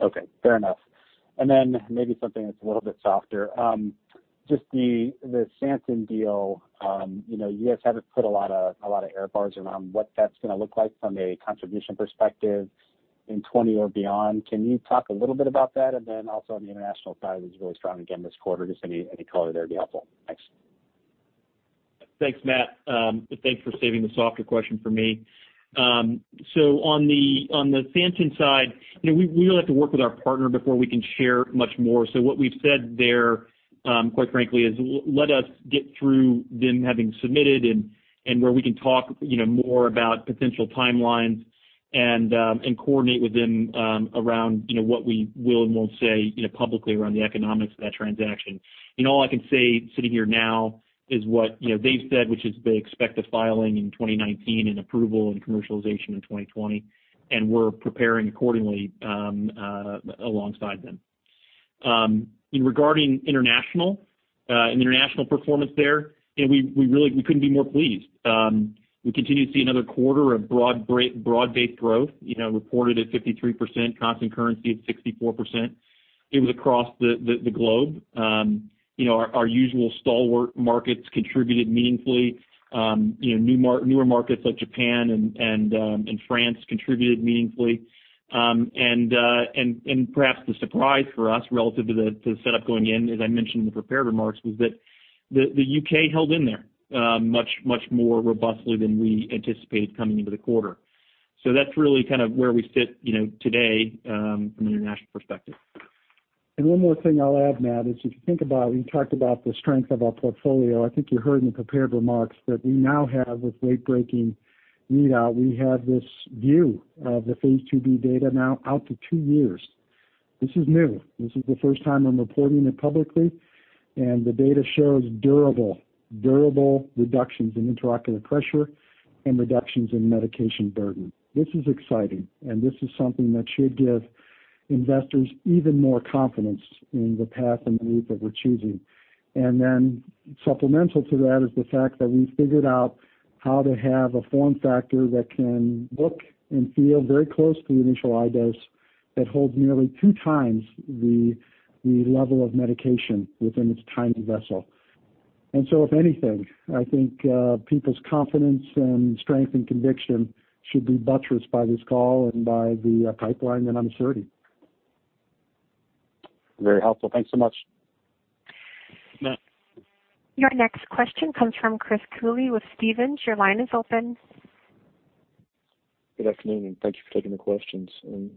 Okay, fair enough. Maybe something that's a little bit softer. Just the Santen deal. You guys haven't put a lot of air bars around what that's going to look like from a contribution perspective in 2020 or beyond. Can you talk a little bit about that? Also on the international side, it was really strong again this quarter. Just any color there would be helpful. Thanks. Thanks, Matt. Thanks for saving the softer question for me. On the Santen side, we will have to work with our partner before we can share much more. What we've said there, quite frankly, is let us get through them having submitted and where we can talk more about potential timelines and coordinate with them around what we will and won't say publicly around the economics of that transaction. All I can say sitting here now is what they've said, which is they expect a filing in 2019 and approval and commercialization in 2020, and we're preparing accordingly alongside them. In regarding international and international performance there, we couldn't be more pleased. We continue to see another quarter of broad-based growth, reported at 53%, constant currency at 64%. It was across the globe. Our usual stalwart markets contributed meaningfully. Newer markets like Japan and France contributed meaningfully. Perhaps the surprise for us relative to the setup going in, as I mentioned in the prepared remarks, was that the U.K. held in there much more robustly than we anticipated coming into the quarter. That's really where we sit today from an international perspective. One more thing I'll add, Matt, is if you think about, we talked about the strength of our portfolio. I think you heard in the prepared remarks that we now have, with late-breaking readout, we have this view of the phase II-B data now out to two years. This is new. This is the first time I'm reporting it publicly, and the data shows durable reductions in intraocular pressure and reductions in medication burden. This is exciting, and this is something that should give investors even more confidence in the path and the route that we're choosing. Then supplemental to that is the fact that we figured out how to have a form factor that can look and feel very close to the initial iDose that holds nearly two times the level of medication within its tiny vessel. If anything, I think people's confidence and strength and conviction should be buttressed by this call and by the pipeline and uncertainty. Very helpful. Thanks so much. Matt. Your next question comes from Chris Cooley with Stephens. Your line is open. Good afternoon, and thank you for taking the questions.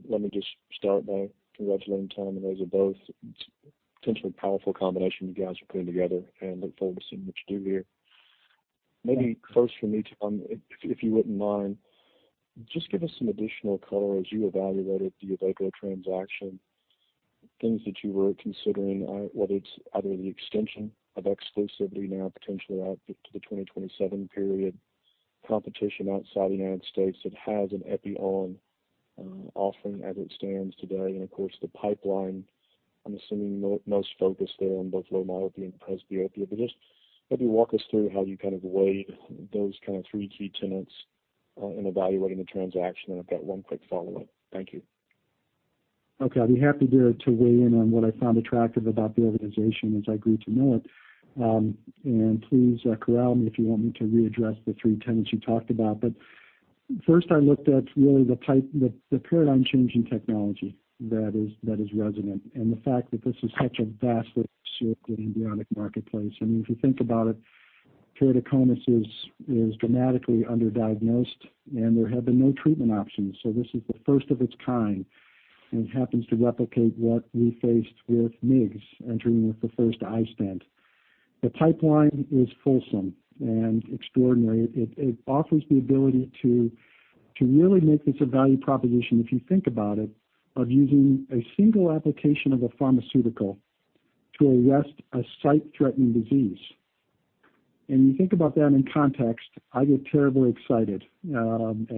Let me just start by congratulating Tom and Reza both. Potentially powerful combination you guys are putting together, and look forward to seeing what you do here. Maybe first for me, Tom, if you wouldn't mind, just give us some additional color as you evaluated the Avedro transaction, things that you were considering, whether it's either the extension of exclusivity now potentially out to the 2027 period, competition outside the United States that has an Epi-on offering as it stands today, and of course, the pipeline, I'm assuming most focus there on both myopia and presbyopia. Just maybe walk us through how you kind of weighed those kind of three key tenets in evaluating the transaction. I've got one quick follow-up. Thank you. Okay. I'd be happy there to weigh in on what I found attractive about the organization as I grew to know it. Please corral me if you want me to readdress the three tenets you talked about. First I looked at really the paradigm change in technology that is resonant, and the fact that this is such a vast but circling bionic marketplace. I mean, if you think about it, keratoconus is dramatically underdiagnosed, and there have been no treatment options. This is the first of its kind, and it happens to replicate what we faced with MIGS entering with the first iStent. The pipeline is fulsome and extraordinary. It offers the ability to really make this a value proposition, if you think about it, of using a single application of a pharmaceutical to arrest a sight-threatening disease. You think about that in context, I get terribly excited as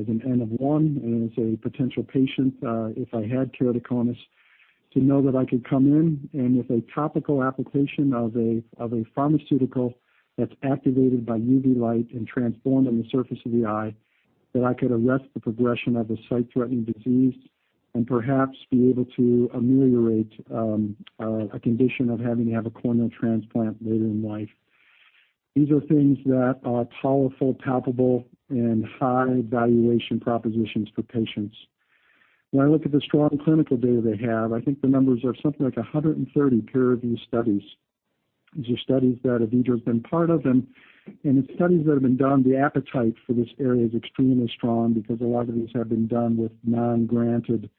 an n of one and as a potential patient, if I had keratoconus, to know that I could come in and with a topical application of a pharmaceutical that's activated by UV light and transformed on the surface of the eye, that I could arrest the progression of a sight-threatening disease and perhaps be able to ameliorate a condition of having to have a corneal transplant later in life. These are things that are powerful, palpable and high valuation propositions for patients. When I look at the strong clinical data they have, I think the numbers are something like 130 pair of these studies. These are studies that Avedro has been part of, and in studies that have been done, the appetite for this area is extremely strong because a lot of these have been done with non-granted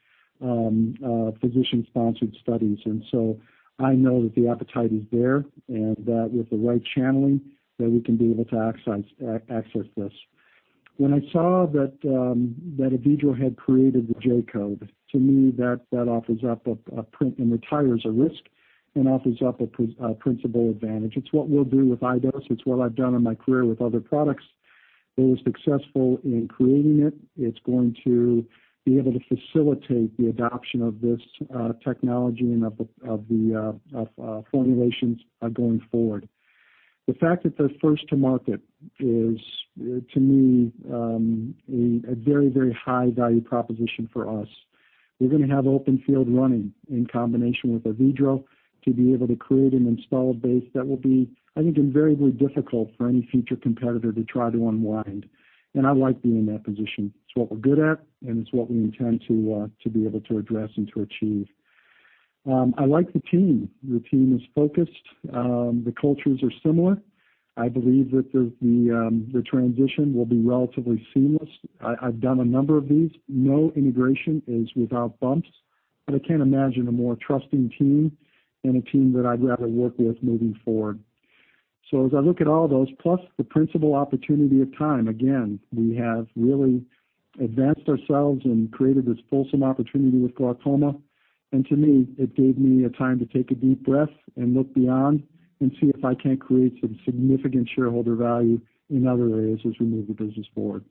physician-sponsored studies. I know that the appetite is there, and that with the right channeling, that we can be able to access this. When I saw that Avedro had created the J-code, to me, that offers up a precedent and retires a risk and offers up a principal advantage. It's what we'll do with iDose. It's what I've done in my career with other products. It was successful in creating it. It's going to be able to facilitate the adoption of this technology and of formulations going forward. The fact that they're first to market is, to me, a very high-value proposition for us. We're going to have open field running in combination with Avedro to be able to create an installed base that will be, I think, invariably difficult for any future competitor to try to unwind. I like being in that position. It's what we're good at, and it's what we intend to be able to address and to achieve. I like the team. The team is focused. The cultures are similar. I believe that the transition will be relatively seamless. I've done a number of these. No integration is without bumps, but I can't imagine a more trusting team and a team that I'd rather work with moving forward. As I look at all those, plus the principal opportunity of time, again, we have really advanced ourselves and created this fulsome opportunity with glaucoma. To me, it gave me a time to take a deep breath and look beyond and see if I can't create some significant shareholder value in other areas as we move the business forward.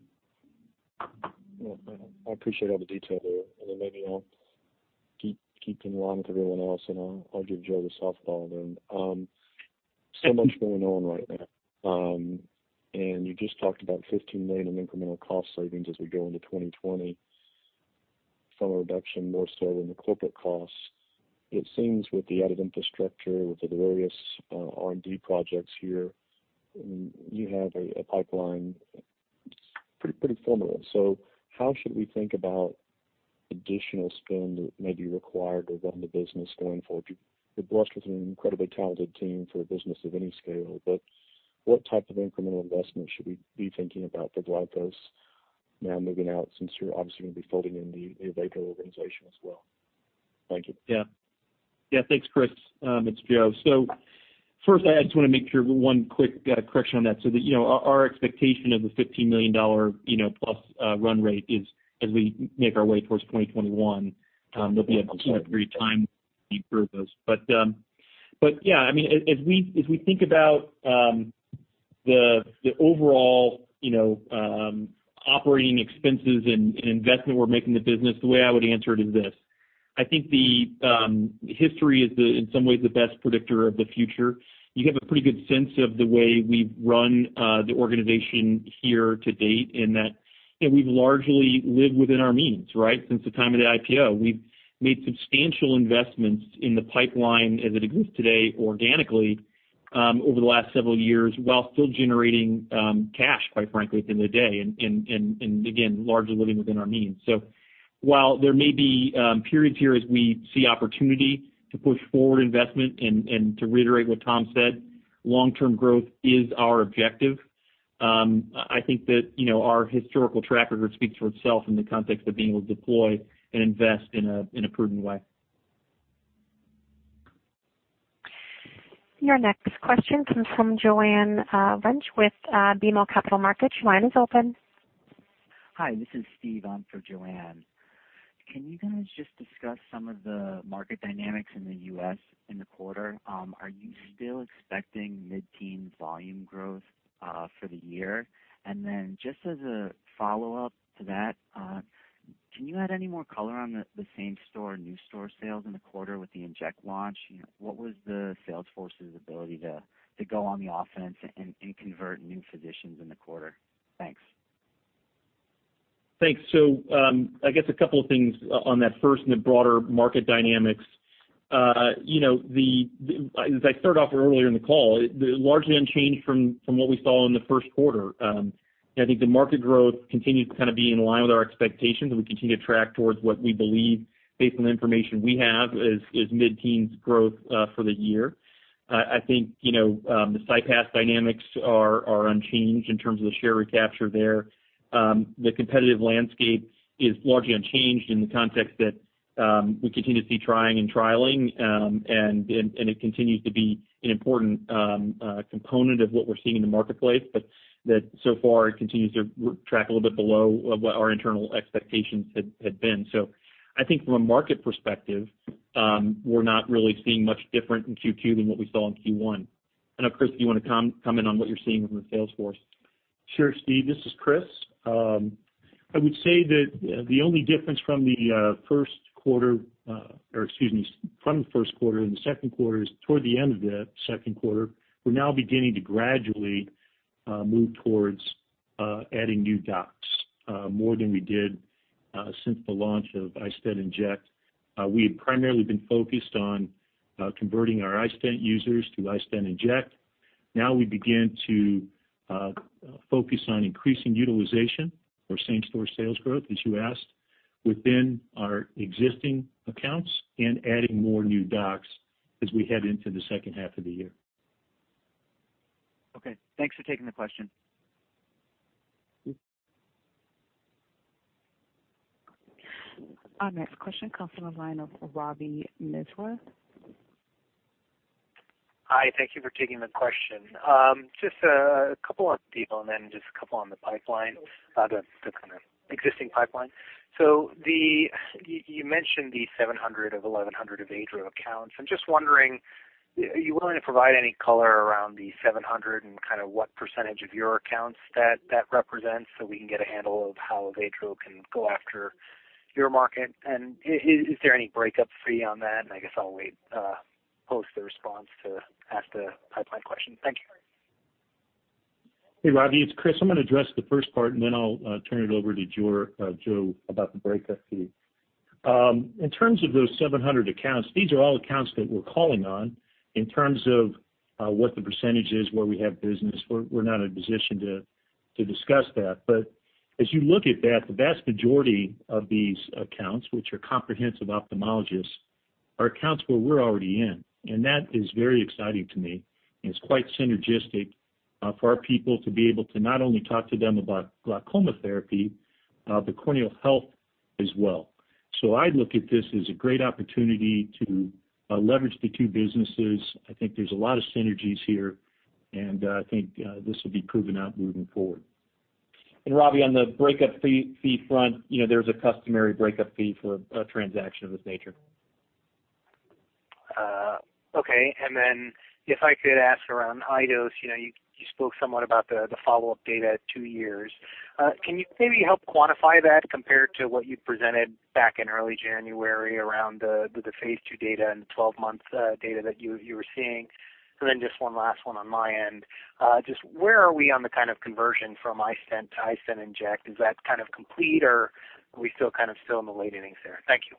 I appreciate all the detail there. Then maybe I'll keep in line with everyone else, and I'll give Joe the softball then. Much going on right now. You just talked about $15 million of incremental cost savings as we go into 2020 from a reduction more so in the corporate costs. It seems with the added infrastructure, with the various R&D projects here, you have a pipeline pretty formidable. How should we think about Additional spend that may be required to run the business going forward. You're blessed with an incredibly talented team for a business of any scale, but what type of incremental investment should we be thinking about for Glaukos now moving out, since you're obviously going to be folding in the Avedro organization as well? Thank you. Yeah. Thanks, Chris. It's Joe. First, I just want to make sure one quick correction on that. Our expectation of the $15 million+ run rate is as we make our way towards 2021. There'll be a very time deep through those. Yeah, as we think about the overall operating expenses and investment we're making in the business, the way I would answer it is this. I think the history is in some ways the best predictor of the future. You have a pretty good sense of the way we've run the organization here to date, and that we've largely lived within our means, right? Since the time of the IPO. We've made substantial investments in the pipeline as it exists today organically, over the last several years, while still generating cash, quite frankly, at the end of the day, and again, largely living within our means. While there may be periods here as we see opportunity to push forward investment and to reiterate what Tom said, long-term growth is our objective. I think that our historical track record speaks for itself in the context of being able to deploy and invest in a prudent way. Your next question comes from Joanne Wuensch with BMO Capital Markets. Your line is open. Hi, this is Steve on for Joanne. Can you guys just discuss some of the market dynamics in the U.S. in the quarter? Are you still expecting mid-teen volume growth for the year? Just as a follow-up to that, can you add any more color on the same store/new store sales in the quarter with the inject launch? What was the sales force's ability to go on the offense and convert new physicians in the quarter? Thanks. Thanks. I guess a couple of things on that. First, in the broader market dynamics. As I started off earlier in the call, largely unchanged from what we saw in the first quarter. I think the market growth continues to be in line with our expectations, and we continue to track towards what we believe based on the information we have is mid-teens growth for the year. I think, the CyPass dynamics are unchanged in terms of the share recapture there. The competitive landscape is largely unchanged in the context that we continue to see trying and trialing, and it continues to be an important component of what we're seeing in the marketplace, but that so far continues to track a little bit below what our internal expectations had been. I think from a market perspective, we're not really seeing much different in Q2 than what we saw in Q1. Chris, do you want to comment on what you're seeing from the sales force? Sure, Steve, this is Chris. I would say that the only difference from the first quarter, or excuse me, from the first quarter and the second quarter is toward the end of the second quarter. We're now beginning to gradually move towards adding new docs, more than we did since the launch of iStent inject. We had primarily been focused on converting our iStent users to iStent inject. Now we begin to focus on increasing utilization for same-store sales growth, as you asked, within our existing accounts and adding more new docs as we head into the second half of the year. Okay. Thanks for taking the question. Our next question comes from the line of Robbie Misra. Hi, thank you for taking the question. Just a couple on people and then just a couple on the pipeline, the kind of existing pipeline. You mentioned the 700 of 1,100 Avedro accounts. I'm just wondering, are you willing to provide any color around the 700 and what percentage of your accounts that represents so we can get a handle of how Avedro can go after your market? Is there any breakup fee on that? I guess I'll wait post the response to ask the pipeline question. Thank you. Hey, Robbie, it's Chris. I'm going to address the first part, and then I'll turn it over to Joe about the breakup fee. In terms of those 700 accounts, these are all accounts that we're calling on in terms of what the percentage is, where we have business. We're not in a position to discuss that. As you look at that, the vast majority of these accounts, which are comprehensive ophthalmologists, are accounts where we're already in, and that is very exciting to me, and it's quite synergistic for our people to be able to not only talk to them about glaucoma therapy, but corneal health as well. I look at this as a great opportunity to leverage the two businesses. I think there's a lot of synergies here, and I think this will be proven out moving forward. Robbie, on the breakup fee front, there's a customary breakup fee for a transaction of this nature. Okay. Then if I could ask around iDose, you spoke somewhat about the follow-up data at two years. Can you maybe help quantify that compared to what you presented back in early January around the phase II data and the 12 months data that you were seeing? Then just one last one on my end. Just where are we on the kind of conversion from iStent to iStent inject? Is that kind of complete or are we still kind of still in the late innings there? Thank you.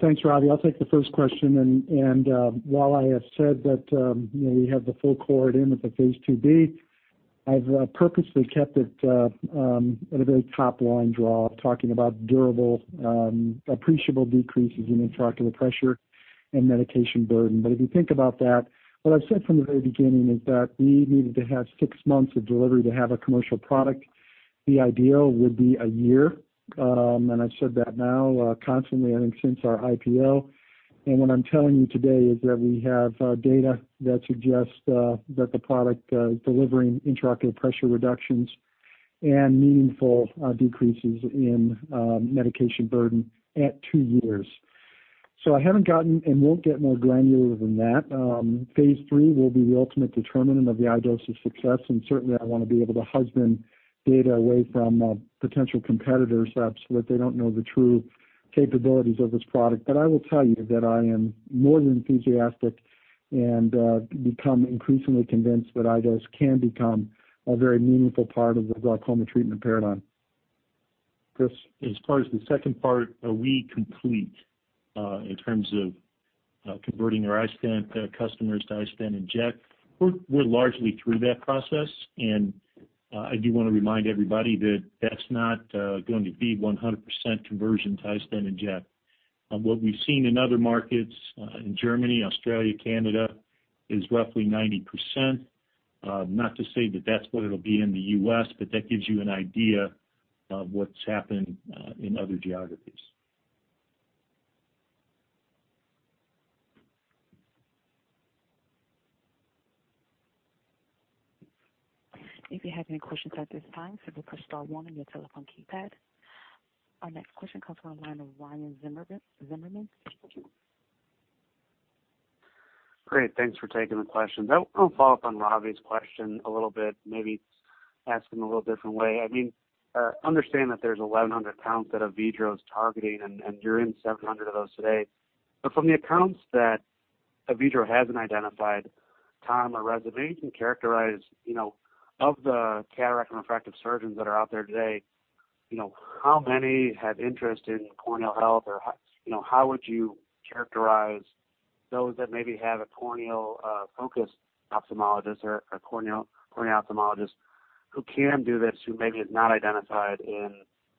Thanks, Robbie. I'll take the first question. While I have said that we have the full cohort in with the phase IIb, I've purposely kept it at a very top-line draw, talking about durable appreciable decreases in intraocular pressure and medication burden. If you think about that, what I've said from the very beginning is that we needed to have six months of delivery to have a commercial product. The ideal would be a year. I've said that now constantly, I think since our IPO. What I'm telling you today is that we have data that suggests that the product delivering intraocular pressure reductions and meaningful decreases in medication burden at two years. I haven't gotten and won't get more granular than that. phase III will be the ultimate determinant of the iDose's success, and certainly I want to be able to husband data away from potential competitors so that they don't know the true capabilities of this product. But I will tell you that I am more than enthusiastic and become increasingly convinced that iDose can become a very meaningful part of the glaucoma treatment paradigm. Chris? As far as the second part, are we complete in terms of converting our iStent customers to iStent inject? We're largely through that process, and I do want to remind everybody that that's not going to be 100% conversion to iStent inject. What we've seen in other markets, in Germany, Australia, Canada is roughly 90%. Not to say that that's what it'll be in the U.S., but that gives you an idea of what's happened in other geographies. If you have any questions at this time, simply press star one on your telephone keypad. Our next question comes from the line of Ryan Zimmerman. Great. Thanks for taking the question. I'll follow up on Robbie's question a little bit, maybe ask in a little different way. I understand that there's 1,100 accounts that Avedro is targeting, and you're in 700 of those today. From the accounts that Avedro hasn't identified, Tom or Reza, maybe you can characterize, of the cataract and refractive surgeons that are out there today, how many have interest in corneal health or how would you characterize those that maybe have a corneal focus ophthalmologist or a corneal ophthalmologist who can do this who maybe has not identified in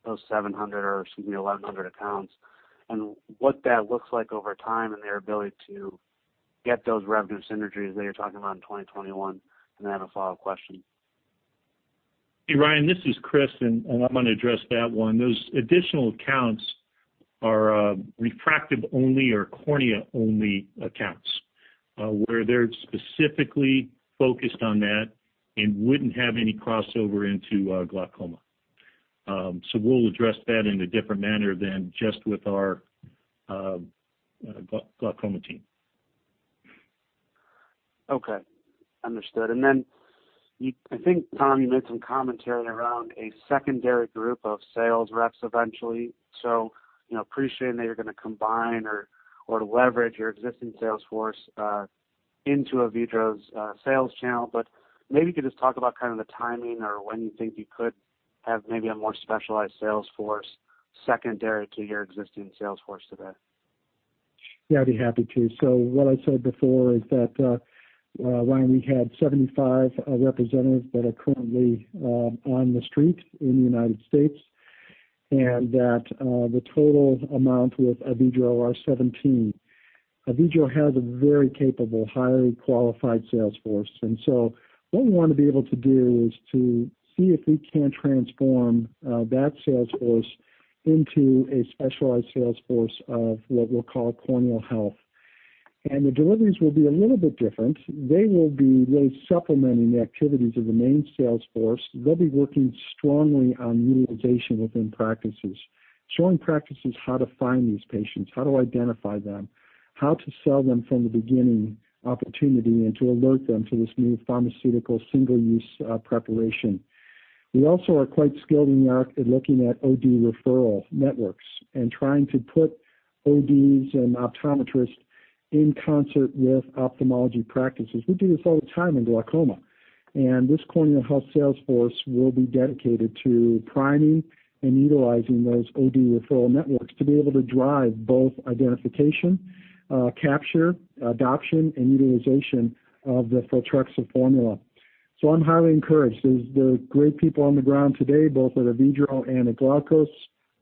those 700 or excuse me, 1,100 accounts. What that looks like over time and their ability to get those revenue synergies that you're talking about in 2021. I have a follow-up question. Hey, Ryan, this is Chris, and I'm going to address that one. Those additional accounts are refractive-only or cornea-only accounts, where they're specifically focused on that and wouldn't have any crossover into glaucoma. We'll address that in a different manner than just with our glaucoma team. Okay. Understood. I think, Tom, you made some commentary around a secondary group of sales reps eventually. Appreciating that you're going to combine or leverage your existing sales force into Avedro's sales channel. Maybe you could just talk about kind of the timing or when you think you could have maybe a more specialized sales force secondary to your existing sales force today. Yeah, I'd be happy to. What I said before is that, Ryan, we have 75 representatives that are currently on the street in the U.S., and that the total amount with Avedro are 17. Avedro has a very capable, highly qualified sales force. What we want to be able to do is to see if we can't transform that sales force into a specialized sales force of what we'll call corneal health. The deliveries will be a little bit different. They will be really supplementing the activities of the main sales force. They'll be working strongly on utilization within practices. Showing practices how to find these patients, how to identify them, how to sell them from the beginning opportunity, and to alert them to this new pharmaceutical single-use preparation. We also are quite skilled in looking at OD referral networks and trying to put ODs and optometrists in concert with ophthalmology practices. We do this all the time in glaucoma. This corneal health sales force will be dedicated to priming and utilizing those OD referral networks to be able to drive both identification, capture, adoption, and utilization of the Photrexa formula. I'm highly encouraged. There's great people on the ground today, both at Avedro and at Glaukos.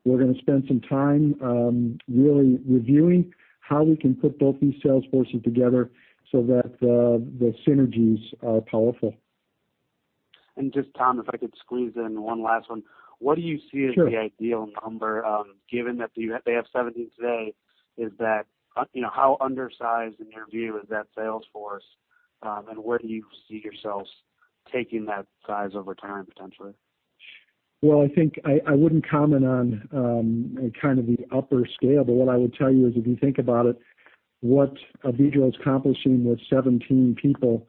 We're going to spend some time really reviewing how we can put both these sales forces together so that the synergies are powerful. Just, Tom, if I could squeeze in one last one. Sure. What do you see as the ideal number, given that they have 17 today, how undersized in your view is that sales force? Where do you see yourselves taking that size over time, potentially? I think I wouldn't comment on kind of the upper scale, but what I would tell you is if you think about it, what Avedro's accomplishing with 17 people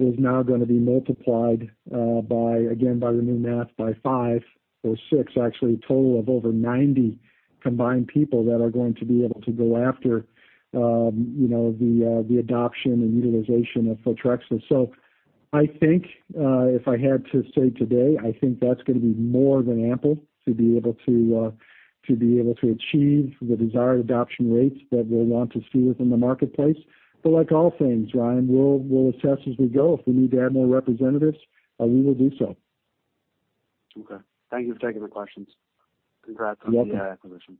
is now going to be multiplied by, again, by the new math, by five or six, actually a total of over 90 combined people that are going to be able to go after the adoption and utilization of Photrexa. I think if I had to say today, I think that's going to be more than ample to be able to achieve the desired adoption rates that we'll want to see within the marketplace. Like all things, Ryan, we'll assess as we go. If we need to add more representatives, we will do so. Okay. Thank you for taking the questions. You're welcome. Congrats on the acquisition.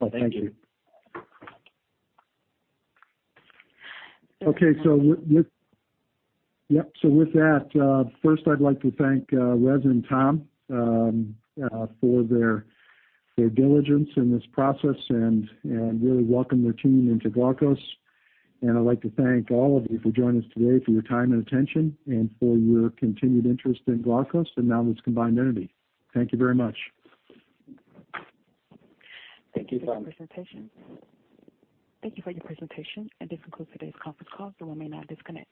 Well, thank you. Thank you. Okay. With that, first I'd like to thank Reza and Tom for their diligence in this process and really welcome their team into Glaukos. I'd like to thank all of you for joining us today for your time and attention and for your continued interest in Glaukos and now this combined entity. Thank you very much. Thank you for your presentation. This concludes today's conference call. You may now disconnect.